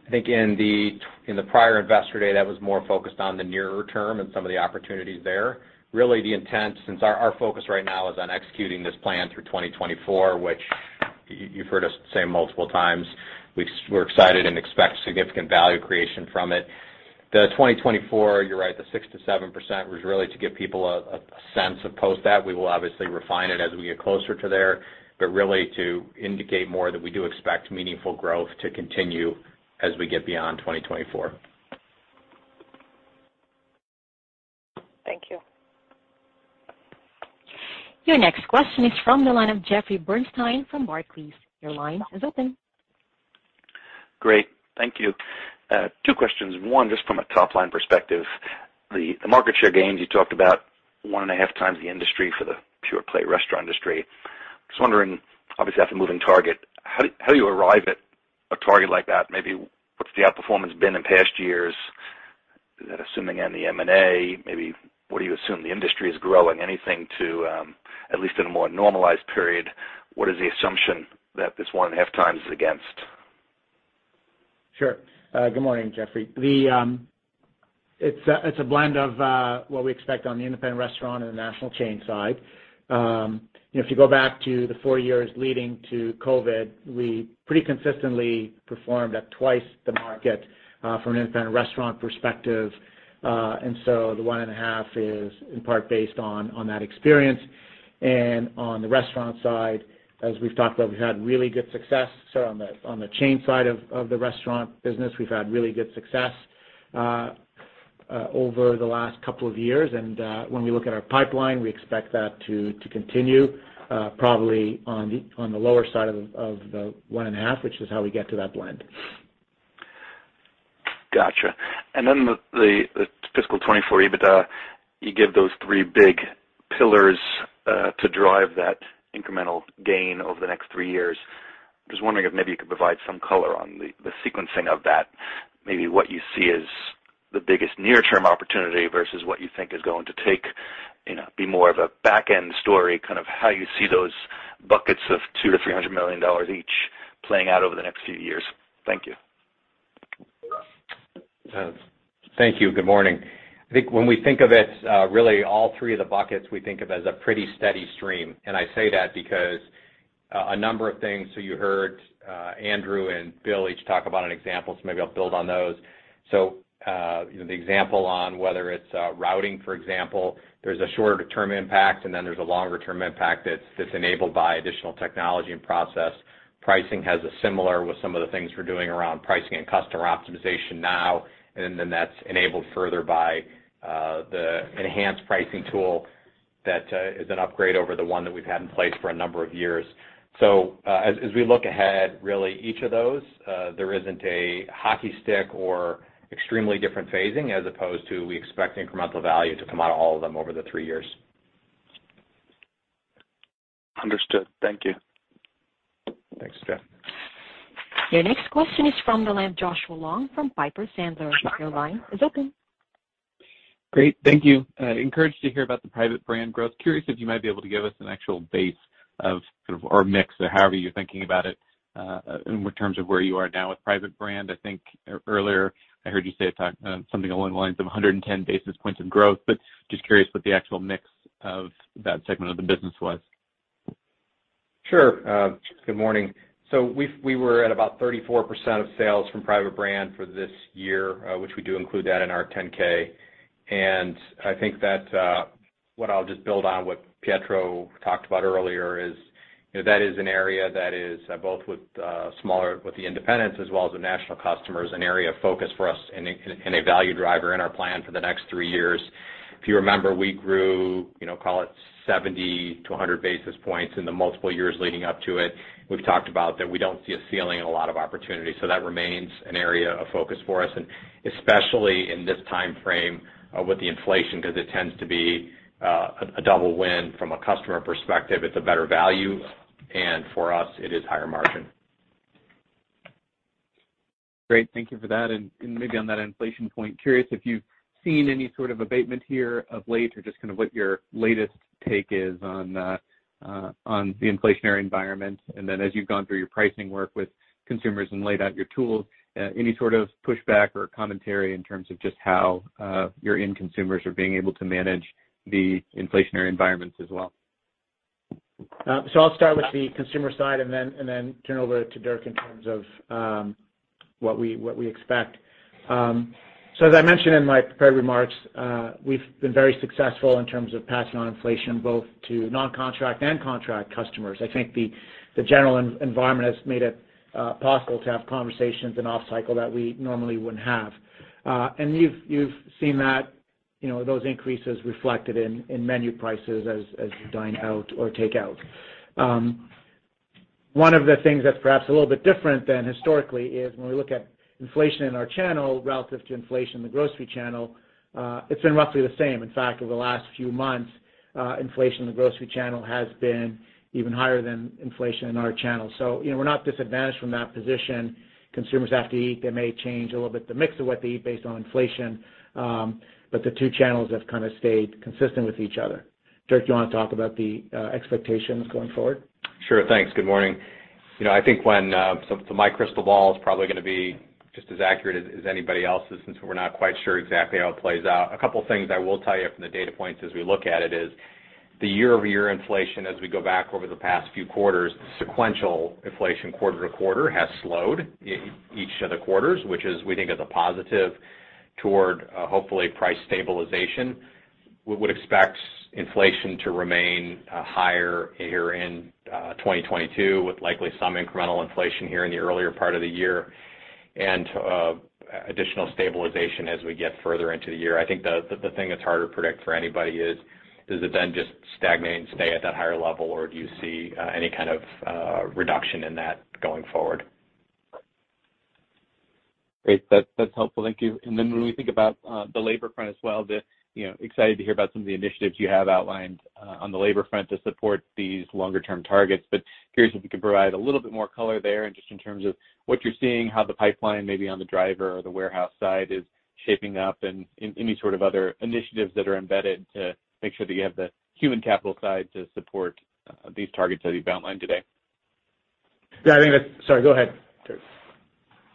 I think in the prior Investor Day, that was more focused on the nearer term and some of the opportunities there. Really the intent, since our focus right now is on executing this plan through 2024, which you've heard us say multiple times, we're excited and expect significant value creation from it. The 2024, you're right, the 6%-7% was really to give people a sense of post that. We will obviously refine it as we get closer to there. Really to indicate more that we do expect meaningful growth to continue as we get beyond 2024. Thank you. Your next question is from the line of Jeffrey Bernstein from Barclays. Your line is open. Great. Thank you. Two questions. One, just from a top line perspective, the market share gains, you talked about one and a half times the industry for the pure play restaurant industry. Just wondering, obviously that's a moving target, how do you arrive at a target like that? Maybe what's the outperformance been in past years? Is that assuming any M&A? Maybe what do you assume the industry is growing? Anything to at least in a more normalized period, what is the assumption that this 1.5 times is against? Sure. Good morning, Jeffrey. It's a blend of what we expect on the independent restaurant and the national chain side. You know, if you go back to the four years leading to COVID, we pretty consistently performed at twice the market from an independent restaurant perspective. The 1.5 is in part based on that experience. On the restaurant side, as we've talked about, we've had really good success. On the chain side of the restaurant business, we've had really good success over the last couple of years. When we look at our pipeline, we expect that to continue probably on the lower side of the 1.5, which is how we get to that blend. Gotcha. The fiscal 2024 EBITDA, you give those three big pillars to drive that incremental gain over the next three years. Just wondering if maybe you could provide some color on the sequencing of that. Maybe what you see as the biggest near term opportunity versus what you think is going to take, you know, be more of a back end story, kind of how you see those buckets of $200 million-$300 million each playing out over the next few years. Thank you. Thank you. Good morning. I think when we think of it, really all three of the buckets we think of as a pretty steady stream. I say that because a number of things. You heard Andrew and Bill each talk about an example, so maybe I'll build on those. You know, the example on whether it's routing, for example, there's a shorter term impact, and then there's a longer term impact that's enabled by additional technology and process. Pricing has a similar with some of the things we're doing around pricing and customer optimization now, and then that's enabled further by the enhanced pricing tool that is an upgrade over the one that we've had in place for a number of years. As we look ahead, really each of those, there isn't a hockey stick or extremely different phasing as opposed to we expect incremental value to come out of all of them over the three years. Understood. Thank you. Thanks, Jeff. Your next question is from the line of Joshua Long from Piper Sandler. Your line is open. Great. Thank you. Encouraged to hear about the private brand growth. Curious if you might be able to give us an actual base of sort of, or mix or however you're thinking about it, in terms of where you are now with private brand. I think earlier I heard you say, something along the lines of 110 basis points of growth, but just curious what the actual mix of that segment of the business was. Sure. Good morning. We were at about 34% of sales from private brand for this year, which we do include that in our 10-K. I think that what I'll just build on what Pietro talked about earlier is, you know, that is an area that is both with smaller with the independents as well as the national customers, an area of focus for us and a value driver in our plan for the next three years. If you remember, we grew, you know, call it 70-100 basis points in the multiple years leading up to it. We've talked about that we don't see a ceiling and a lot of opportunity. That remains an area of focus for us and especially in this time frame with the inflation, because it tends to be a double win from a customer perspective. It's a better value, and for us it is higher margin. Great. Thank you for that. Maybe on that inflation point, curious if you've seen any sort of abatement here of late or just kind of what your latest take is on the inflationary environment? As you've gone through your pricing work with consumers and laid out your tools, any sort of pushback or commentary in terms of just how your end consumers are being able to manage the inflationary environments as well? I'll start with the consumer side and then turn it over to Dirk in terms of what we expect. As I mentioned in my prepared remarks, we've been very successful in terms of passing on inflation both to non-contract and contract customers. I think the general environment has made it possible to have conversations in off cycle that we normally wouldn't have. And you've seen that, you know, those increases reflected in menu prices as you dine out or take out. One of the things that's perhaps a little bit different than historically is when we look at inflation in our channel relative to inflation in the grocery channel, it's been roughly the same. In fact, over the last few months, inflation in the grocery channel has been even higher than inflation in our channel. You know, we're not disadvantaged from that position. Consumers have to eat. They may change a little bit the mix of what they eat based on inflation. The two channels have kind of stayed consistent with each other. Dirk, do you wanna talk about the expectations going forward? Sure. Thanks. Good morning. You know, I think so my crystal ball is probably gonna be just as accurate as anybody else's since we're not quite sure exactly how it plays out. A couple things I will tell you from the data points as we look at it is the year-over-year inflation as we go back over the past few quarters. Sequential inflation quarter-to-quarter has slowed in each of the quarters, which we think is a positive toward hopefully price stabilization. We would expect inflation to remain higher here in 2022 with likely some incremental inflation here in the earlier part of the year and additional stabilization as we get further into the year. I think the thing that's hard to predict for anybody is, does it then just stagnate and stay at that higher level or do you see any kind of reduction in that going forward? Great. That's helpful. Thank you. When we think about the labor front as well, excited to hear about some of the initiatives you have outlined on the labor front to support these longer-term targets. Curious if you could provide a little bit more color there and just in terms of what you're seeing, how the pipeline may be on the driver or the warehouse side is shaping up and any sort of other initiatives that are embedded to make sure that you have the human capital side to support these targets that you've outlined today. Yeah, I think that's. Sorry, go ahead, Dirk.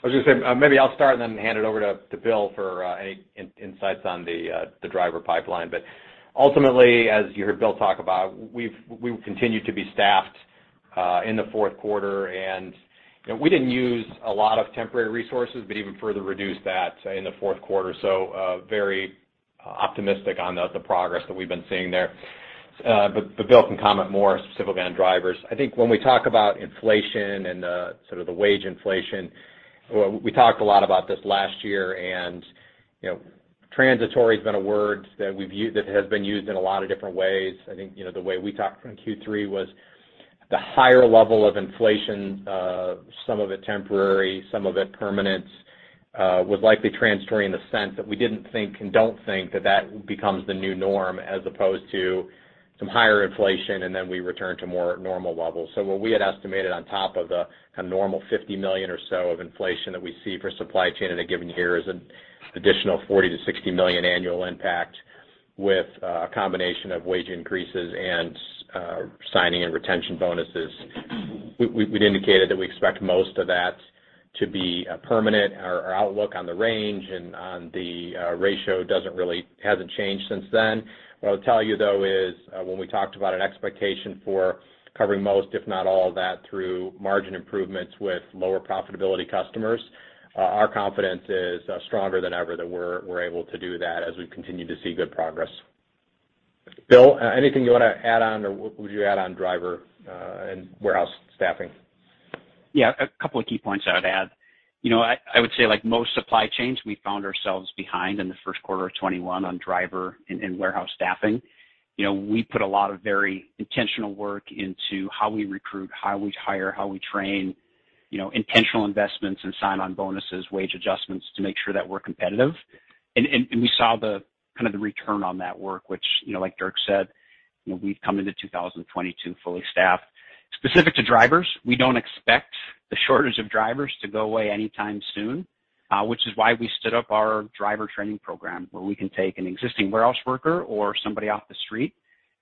I was gonna say, maybe I'll start and then hand it over to Bill for any insights on the driver pipeline. Ultimately, as you heard Bill talk about, we will continue to be staffed in the fourth quarter. You know, we didn't use a lot of temporary resources, but even further reduced that, say, in the fourth quarter. Very optimistic on the progress that we've been seeing there. But Bill can comment more specifically on drivers. I think when we talk about inflation and the sort of wage inflation, we talked a lot about this last year. You know, transitory has been a word that we've used that has been used in a lot of different ways. I think, you know, the way we talked from Q3 was the higher level of inflation, some of it temporary, some of it permanent, was likely transitory in the sense that we didn't think, and don't think that that becomes the new norm, as opposed to some higher inflation, and then we return to more normal levels. What we had estimated on top of the kind of normal $50 million or so of inflation that we see for supply chain in a given year is an additional $40 million-$60 million annual impact with a combination of wage increases and signing and retention bonuses. We'd indicated that we expect most of that to be permanent. Our outlook on the range and on the ratio hasn't changed since then. What I'll tell you, though, is, when we talked about an expectation for covering most, if not all of that through margin improvements with lower profitability customers, our confidence is, stronger than ever that we're able to do that as we continue to see good progress. Bill, anything you wanna add on or would you add on driver, and warehouse staffing? Yeah, a couple of key points I would add. You know, I would say, like most supply chains, we found ourselves behind in the first quarter of 2021 on driver and warehouse staffing. You know, we put a lot of very intentional work into how we recruit, how we hire, how we train, you know, intentional investments and sign-on bonuses, wage adjustments to make sure that we're competitive. We saw the kind of the return on that work, which, you know, like Dirk said, you know, we've come into 2022 fully staffed. Specific to drivers, we don't expect the shortage of drivers to go away anytime soon, which is why we stood up our driver training program, where we can take an existing warehouse worker or somebody off the street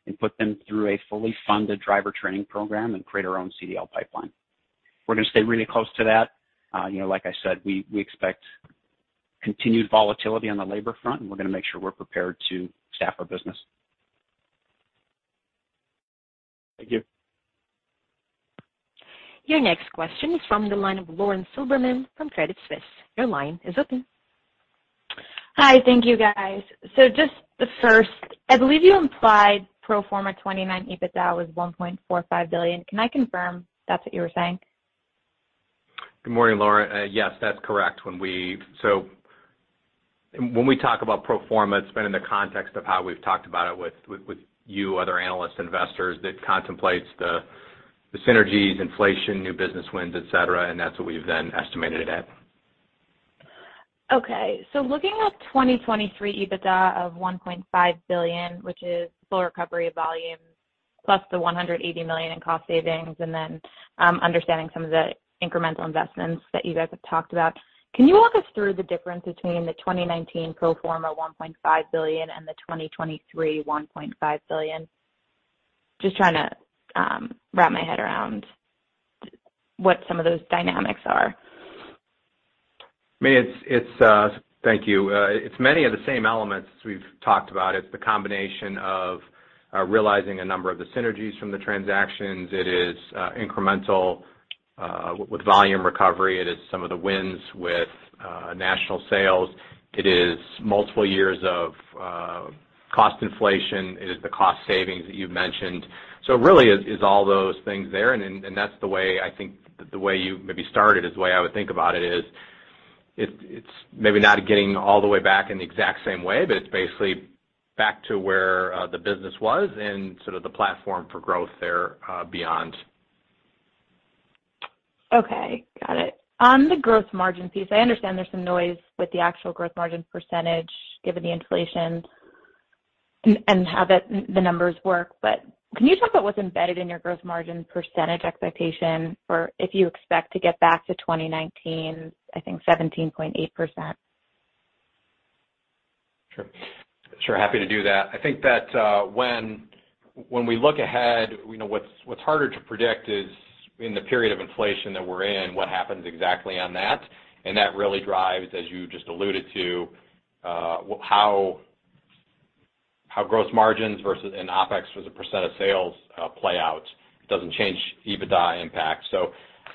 and put them through a fully funded driver training program and create our own CDL pipeline. We're gonna stay really close to that. You know, like I said, we expect continued volatility on the labor front, and we're gonna make sure we're prepared to staff our business. Thank you. Your next question is from the line of Lauren Silberman from Credit Suisse. Your line is open. Hi. Thank you, guys. Just the first, I believe you implied pro forma 2029 EBITDA was $1.45 billion. Can I confirm that's what you were saying? Good morning, Lauren. Yes, that's correct. When we talk about pro forma, it's been in the context of how we've talked about it with you, other analysts, investors, that contemplates the synergies, inflation, new business wins, et cetera, and that's what we've then estimated it at. Okay. Looking at 2023 EBITDA of $1.5 billion, which is full recovery of volume plus the $180 million in cost savings, and then understanding some of the incremental investments that you guys have talked about, can you walk us through the difference between the 2019 pro forma $1.5 billion and the 2023 $1.5 billion? Just trying to wrap my head around what some of those dynamics are. I mean, it's, thank you. It's many of the same elements we've talked about. It's the combination of realizing a number of the synergies from the transactions. It is incremental with volume recovery. It is some of the wins with national sales. It is multiple years of cost inflation. It is the cost savings that you've mentioned. Really is all those things there. That's the way I think the way you maybe started is the way I would think about it is it's maybe not getting all the way back in the exact same way, but it's basically back to where the business was and sort of the platform for growth there beyond. Okay. Got it. On the growth margin piece, I understand there's some noise with the actual growth margin percentage given the inflation and how the numbers work. Can you talk about what's embedded in your growth margin percentage expectation for if you expect to get back to 2019, I think 17.8%? Sure, happy to do that. I think that, when we look ahead, you know, what's harder to predict is in the period of inflation that we're in, what happens exactly on that. That really drives, as you just alluded to, how gross margins versus OpEx as a percent of sales play out. It doesn't change EBITDA impact.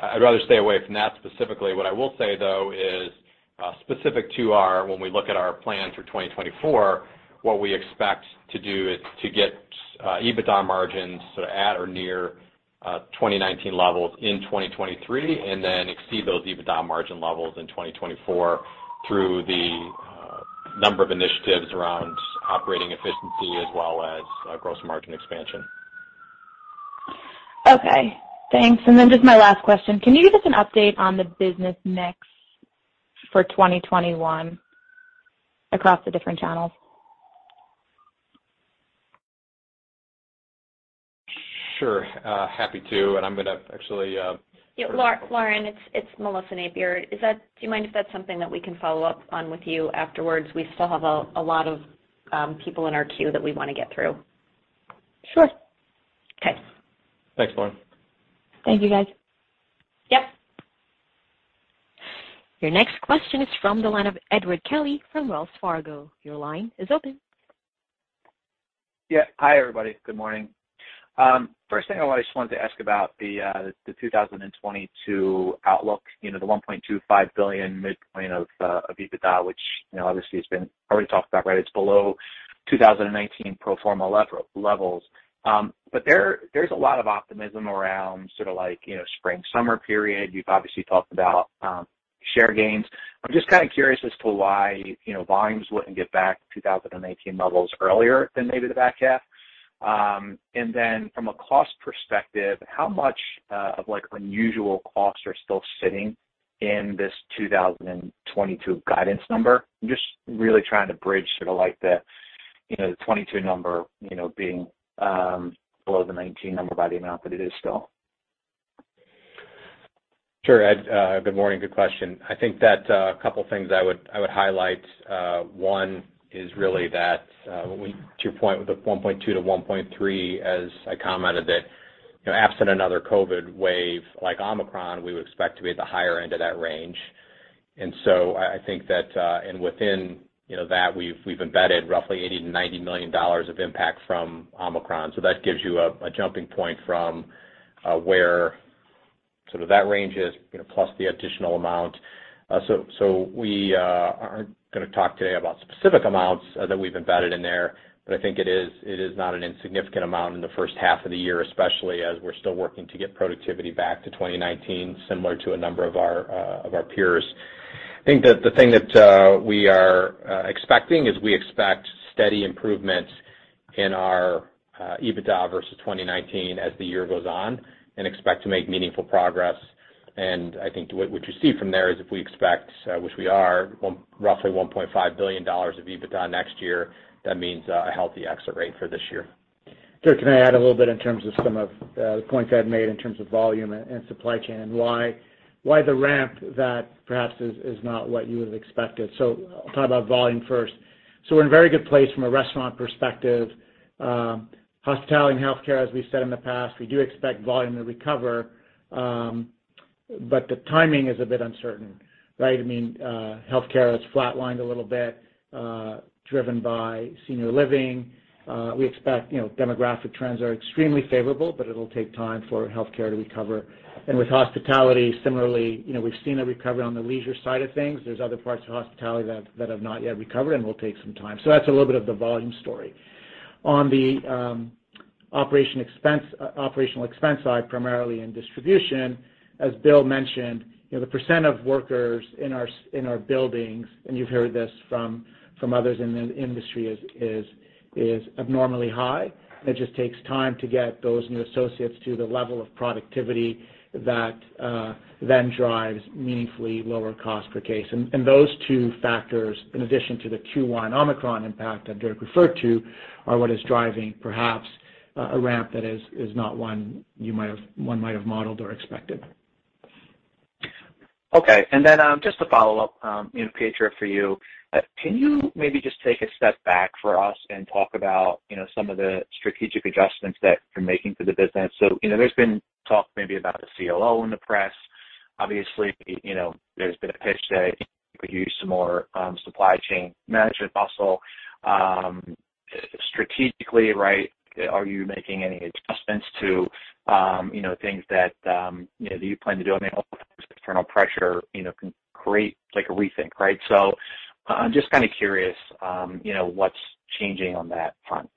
I'd rather stay away from that specifically. What I will say, though, is specific to our plan for 2024, what we expect to do is to get EBITDA margins sort of at or near 2019 levels in 2023 and then exceed those EBITDA margin levels in 2024 through a number of initiatives around operating efficiency as well as gross margin expansion. Okay, thanks. Just my last question, can you give us an update on the business mix for 2021 across the different channels? Sure, happy to. I'm gonna actually - Yeah, Lauren, it's Melissa Napier. Do you mind if that's something that we can follow up on with you afterwards? We still have a lot of people in our queue that we wanna get through. Sure. Okay. Thanks, Lauren. Thank you, guys. Yep. Your next question is from the line of Edward Kelly from Wells Fargo. Your line is open. Yeah. Hi, everybody. Good morning. First thing I just wanted to ask about the 2022 outlook, you know, the $1.25 billion midpoint of EBITDA, which, you know, obviously has been already talked about, right? It's below 2019 pro forma levels. But there's a lot of optimism around sort of like, you know, spring, summer period. You've obviously talked about share gains. I'm just kinda curious as to why, you know, volumes wouldn't get back 2018 levels earlier than maybe the back half. Then from a cost perspective, how much of like unusual costs are still sitting in this 2022 guidance number? I'm just really trying to bridge sort of like the, you know, the '22 number, you know, being below the '19 number by the amount that it is still. Sure, Ed. Good morning. Good question. I think that a couple things I would highlight, one is really that to your point with the 1.2-1.3 as I commented that, you know, absent another COVID wave like Omicron, we would expect to be at the higher end of that range. I think that and within, you know, that we've embedded roughly $80 million-$90 million of impact from Omicron. That gives you a jumping point from where sort of that range is, you know, plus the additional amount. We aren't gonna talk today about specific amounts that we've embedded in there, but I think it is not an insignificant amount in the first half of the year, especially as we're still working to get productivity back to 2019, similar to a number of our peers. I think the thing that we are expecting is we expect steady improvements in our EBITDA versus 2019 as the year goes on and expect to make meaningful progress. I think what you see from there is if we expect, which we are, roughly $1.5 billion of EBITDA next year, that means a healthy exit rate for this year. Dirk, can I add a little bit in terms of some of the points I've made in terms of volume and supply chain and why the ramp that perhaps is not what you would have expected? I'll talk about volume first. We're in a very good place from a restaurant perspective. Hospitality and healthcare, as we've said in the past, we do expect volume to recover, but the timing is a bit uncertain, right? I mean, healthcare has flatlined a little bit, driven by senior living. We expect, you know, demographic trends are extremely favorable, but it'll take time for healthcare to recover. With hospitality, similarly, you know, we've seen a recovery on the leisure side of things. There's other parts of hospitality that have not yet recovered and will take some time. That's a little bit of the volume story. On the operational expense side, primarily in distribution, as Bill mentioned, you know, the percent of workers in our buildings, and you've heard this from others in the industry, is abnormally high. It just takes time to get those new associates to the level of productivity that then drives meaningfully lower cost per case. Those two factors, in addition to the Q1 Omicron impact that Dirk referred to, are what is driving perhaps a ramp that is not one one might have modeled or expected. Okay. Just to follow up, you know, Pietro for you. Can you maybe just take a step back for us and talk about, you know, some of the strategic adjustments that you're making to the business? You know, there's been talk maybe about a CLO in the press. Obviously, you know, there's been a pitch today. Could use some more supply chain management muscle, strategically, right? Are you making any adjustments to, you know, things that, you know, that you plan to do? I mean, sometimes external pressure, you know, can create like a rethink, right? I'm just kinda curious, you know, what's changing on that front.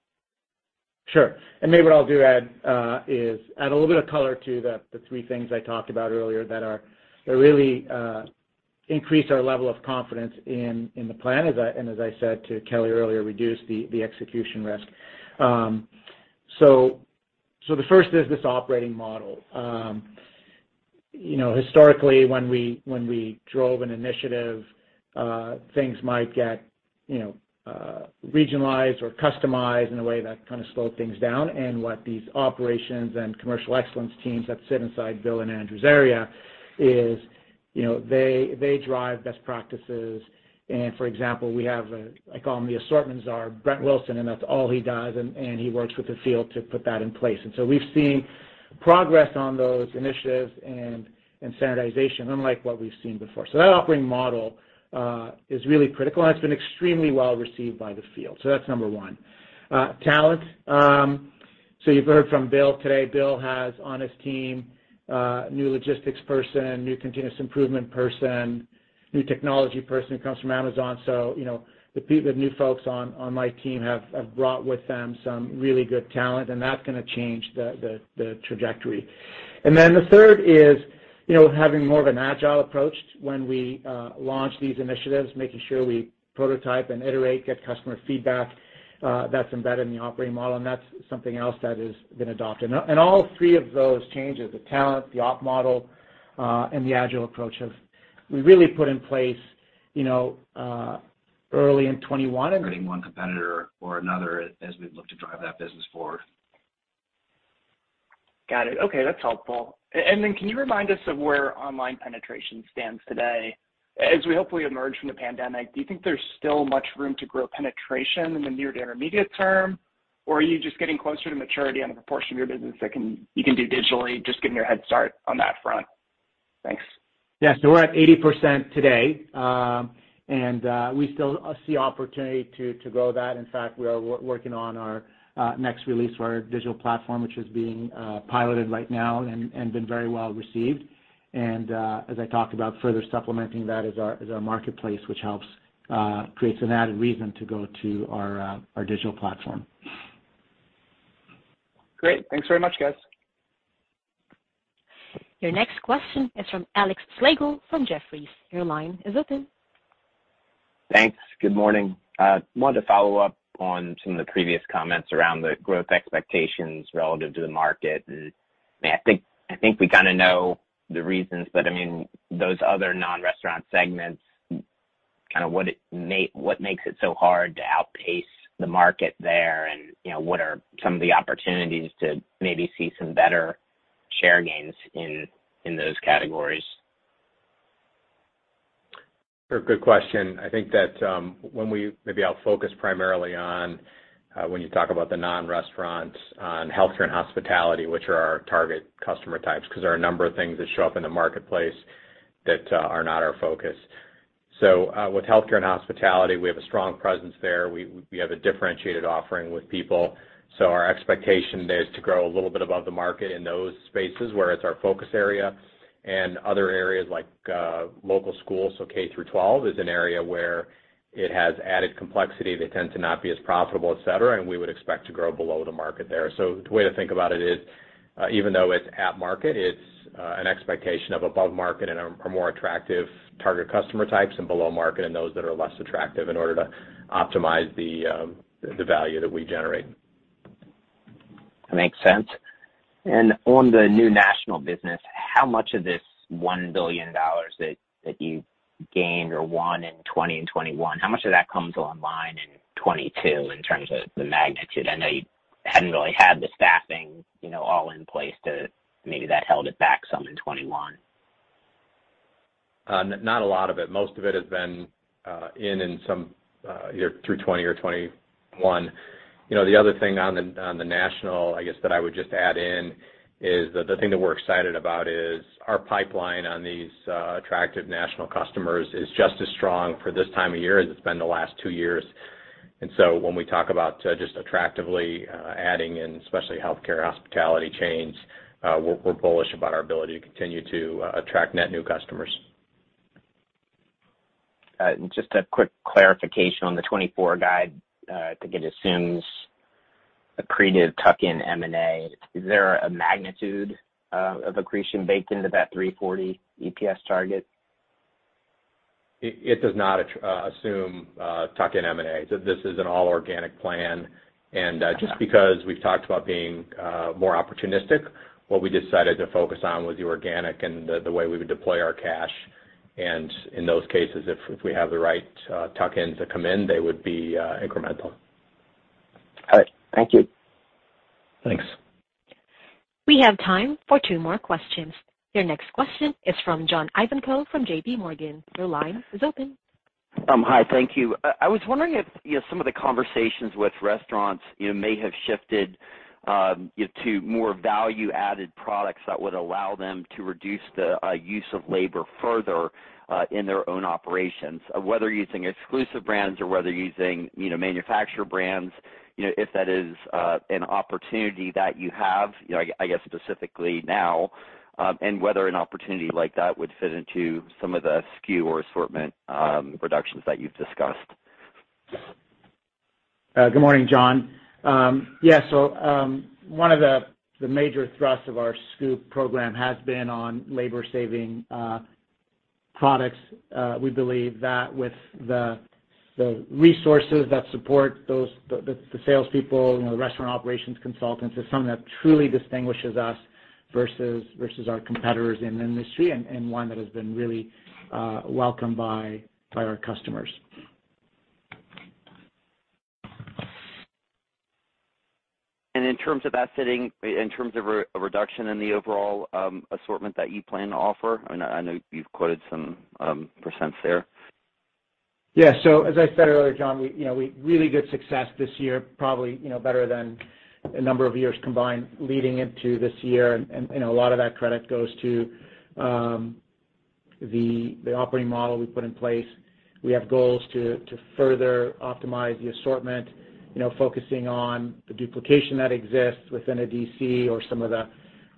Sure. Maybe what I'll do, Ed, is add a little bit of color to the three things I talked about earlier that really increase our level of confidence in the plan, as I said to Kelly earlier, reduce the execution risk. So the first is this operating model. You know, historically when we drove an initiative, things might get you know, regionalized or customized in a way that kinda slowed things down. What these operations and commercial excellence teams that sit inside Bill and Andrew's area is, you know, they drive best practices. For example, we have a, I call him the assortment czar, Brent Wilson, and that's all he does. He works with the field to put that in place. We've seen progress on those initiatives and standardization unlike what we've seen before. That operating model is really critical, and it's been extremely well received by the field. That's number one. Talent. You've heard from Bill today. Bill has on his team new logistics person, new continuous improvement person, new technology person who comes from Amazon. You know, the new folks on my team have brought with them some really good talent, and that's gonna change the trajectory. The third is, you know, having more of an agile approach when we launch these initiatives, making sure we prototype and iterate, get customer feedback, that's embedded in the operating model, and that's something else that has been adopted. And all three of those changes, the talent, the op model, and the agile approach have we really put in place, you know, early in 2021 and- Getting one competitor or another as we look to drive that business forward. Got it. Okay, that's helpful. Can you remind us of where online penetration stands today? As we hopefully emerge from the pandemic, do you think there's still much room to grow penetration in the near to intermediate term? Or are you just getting closer to maturity on the proportion of your business that you can do digitally, just giving you a head start on that front? Thanks. We're at 80% today. We still see opportunity to grow that. In fact, we are working on our next release for our digital platform, which is being piloted right now and been very well received. As I talked about, further supplementing that is our marketplace, which helps create an added reason to go to our digital platform. Great. Thanks very much, guys. Your next question is from Alex Slagle from Jefferies. Your line is open. Thanks. Good morning. Wanted to follow up on some of the previous comments around the growth expectations relative to the market. I think we kinda know the reasons, but I mean, those other non-restaurant segments, kind of what makes it so hard to outpace the market there and, you know, what are some of the opportunities to maybe see some better share gains in those categories? Sure. Good question. I think that maybe I'll focus primarily on when you talk about the non-restaurants on healthcare and hospitality, which are our target customer types, because there are a number of things that show up in the marketplace that are not our focus. With healthcare and hospitality, we have a strong presence there. We have a differentiated offering with people. Our expectation there is to grow a little bit above the market in those spaces where it's our focus area and other areas like local schools. K-12 is an area where it has added complexity. They tend to not be as profitable, et cetera, and we would expect to grow below the market there. The way to think about it is, even though it's at market, it's an expectation of above market and are more attractive target customer types and below market and those that are less attractive in order to optimize the value that we generate. That makes sense. On the new national business, how much of this $1 billion that you gained or won in 2021, how much of that comes online in 2022 in terms of the magnitude? I know you hadn't really had the staffing, you know, all in place. Maybe that held it back some in 2021. Not a lot of it. Most of it has been in some either through 2020 or 2021. You know, the other thing on the national, I guess, that I would just add in is the thing that we're excited about is our pipeline on these attractive national customers is just as strong for this time of year as it's been the last two years. When we talk about just attractively adding in, especially healthcare hospitality chains, we're bullish about our ability to continue to attract net new customers. Just a quick clarification on the 2024 guide. I think it assumes accretive tuck-in M&A. Is there a magnitude of accretion baked into that $3.40 EPS target? It does not assume tuck-in M&A. This is an all organic plan. Just because we've talked about being more opportunistic, what we decided to focus on was the organic and the way we would deploy our cash. In those cases, if we have the right tuck-ins that come in, they would be incremental. All right. Thank you. Thanks. We have time for two more questions. Your next question is from John Ivankoe from J.P. Morgan. Your line is open. Hi. Thank you. I was wondering if, you know, some of the conversations with restaurants, you know, may have shifted, you know, to more value-added products that would allow them to reduce the use of labor further in their own operations. Whether using exclusive brands or whether using, you know, manufacturer brands, you know, if that is an opportunity that you have, you know, I guess specifically now, and whether an opportunity like that would fit into some of the SKU or assortment reductions that you've discussed. Good morning, John. Yeah. One of the major thrust of our SKU program has been on labor saving products. We believe that with the resources that support those, the salespeople, you know, the restaurant operations consultants is something that truly distinguishes us versus our competitors in the industry, and one that has been really welcomed by our customers. In terms of a reduction in the overall assortment that you plan to offer, I mean, I know you've quoted some percents there. Yeah. As I said earlier, John, we, you know, we really good success this year, probably, you know, better than a number of years combined leading into this year. A lot of that credit goes to the operating model we put in place. We have goals to further optimize the assortment, you know, focusing on the duplication that exists within a DC or some of the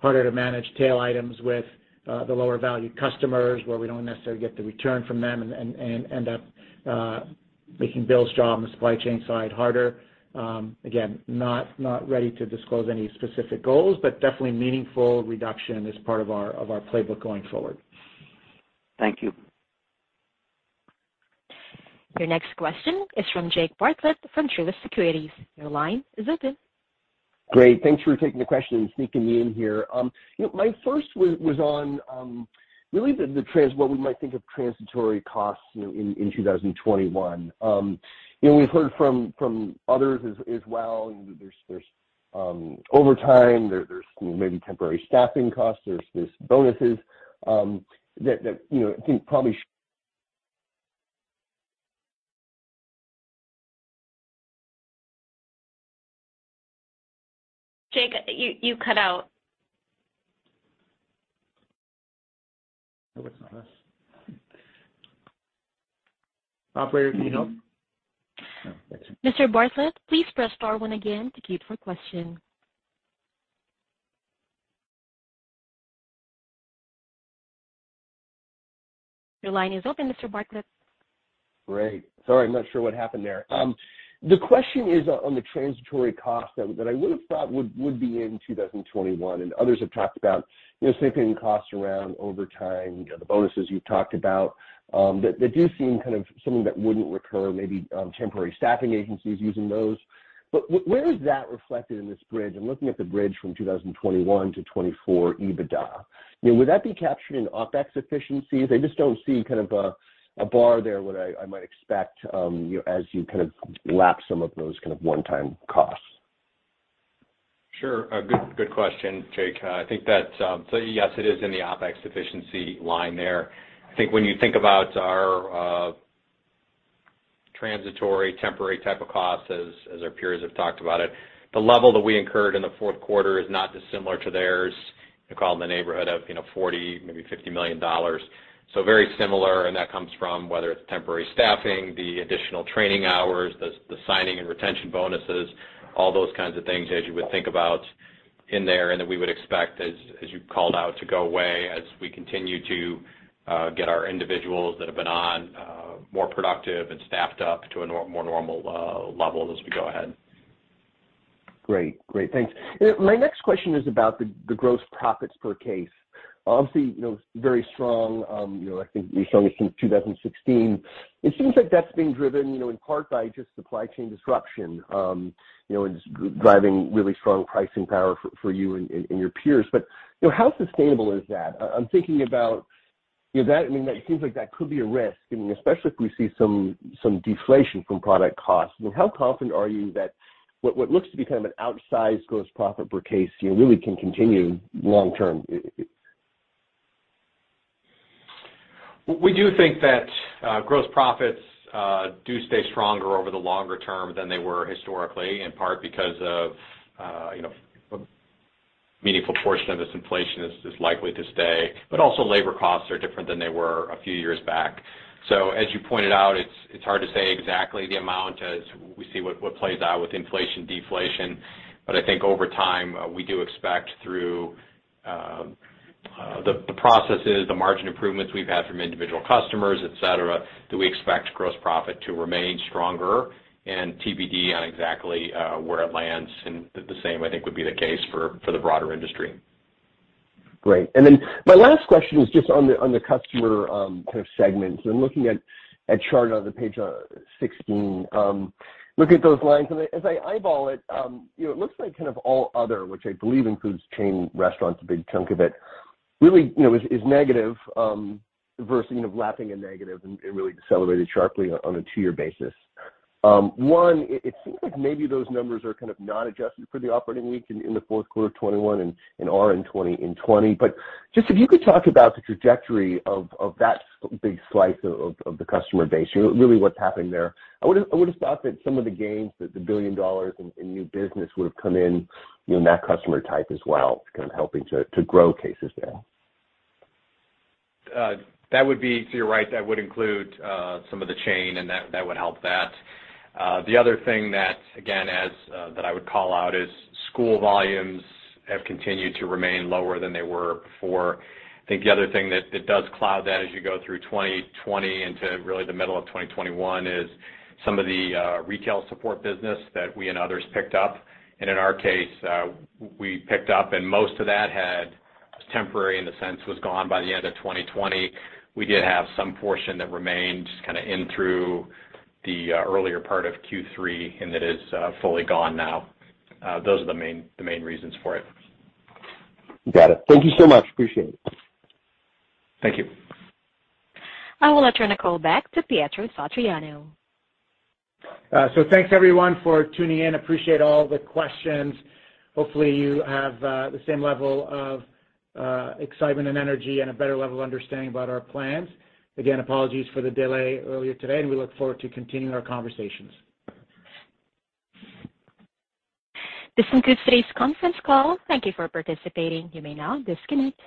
harder to manage tail items with the lower value customers where we don't necessarily get the return from them and end up making Bill's job on the supply chain side harder. Again, not ready to disclose any specific goals, but definitely meaningful reduction in this part of our playbook going forward. Thank you. Your next question is from Jake Bartlett from Truist Securities. Your line is open. Great. Thanks for taking the question and sneaking me in here. You know, my first was on really what we might think of transitory costs, you know, in 2021. You know, we've heard from others as well, there's overtime, there's maybe temporary staffing costs, there's bonuses that you know, I think probably- Jake, you cut out. I hope it's not us. Operator, do you need help? No, that's it. Mr. Bartlett, please press star one again to queue for question. Your line is open, Mr. Bartlett. Great. Sorry, I'm not sure what happened there. The question is on the transitory costs that I would have thought would be in 2021, and others have talked about, you know, slipping costs around overtime, you know, the bonuses you've talked about, that do seem kind of something that wouldn't recur, maybe, temporary staffing agencies using those. But where is that reflected in this bridge? I'm looking at the bridge from 2021 to 2024 EBITDA. You know, would that be captured in OpEx efficiencies? I just don't see kind of a bar there, what I might expect, you know, as you kind of lap some of those kind of one-time costs. Sure. A good question, Jake. I think that yes, it is in the OpEx efficiency line there. I think when you think about our transitory temporary type of costs, as our peers have talked about it, the level that we incurred in the fourth quarter is not dissimilar to theirs. I call it in the neighborhood of, you know, $40 million, maybe $50 million. Very similar, and that comes from whether it's temporary staffing, the additional training hours, the signing and retention bonuses, all those kinds of things, as you would think about in there, and that we would expect, as you called out, to go away as we continue to get our individuals that have been on more productive and staffed up to a more normal level as we go ahead. Great. Thanks. My next question is about the gross profits per case. Obviously, you know, very strong, you know, I think the strongest since 2016. It seems like that's being driven, you know, in part by just supply chain disruption, you know, and just driving really strong pricing power for you and your peers. You know, how sustainable is that? I'm thinking about, you know, that I mean, that seems like that could be a risk, I mean, especially if we see some deflation from product costs. You know, how confident are you that what looks to be kind of an outsized gross profit per case, you know, really can continue long term? We do think that gross profits do stay stronger over the longer term than they were historically, in part because of, you know, a meaningful portion of this inflation is likely to stay, but also labor costs are different than they were a few years back. As you pointed out, it's hard to say exactly the amount as we see what plays out with inflation, deflation. I think over time we do expect through the processes the margin improvements we've had from individual customers, et cetera, gross profit to remain stronger and TBD on exactly where it lands. The same, I think, would be the case for the broader industry. Great. My last question is just on the customer kind of segment. I'm looking at a chart on the page 16, look at those lines, and as I eyeball it, you know, it looks like kind of all other, which I believe includes chain restaurants, a big chunk of it, really, you know, is negative versus, you know, lapping a negative and really decelerated sharply on a two-year basis. It seems like maybe those numbers are kind of not adjusted for the operating week in the fourth quarter of 2021 and are in 2022. But just if you could talk about the trajectory of that big slice of the customer base, you know, really what's happening there. I would've thought that some of the gains that the $1 billion in new business would have come in, you know, in that customer type as well, kind of helping to grow cases there. That would be. You're right, that would include some of the chain, and that would help that. The other thing that, again, that I would call out is school volumes have continued to remain lower than they were before. I think the other thing that does cloud that as you go through 2020 into really the middle of 2021 is some of the retail support business that we and others picked up. In our case, we picked up, and most of that was temporary in the sense was gone by the end of 2020. We did have some portion that remained just in through the earlier part of Q3, and it is fully gone now. Those are the main reasons for it. Got it. Thank you so much. Appreciate it. Thank you. I will now turn the call back to Pietro Satriano. Thanks everyone for tuning in. Appreciate all the questions. Hopefully, you have the same level of excitement and energy and a better level of understanding about our plans. Again, apologies for the delay earlier today, and we look forward to continuing our conversations. This concludes today's conference call. Thank you for participating. You may now disconnect.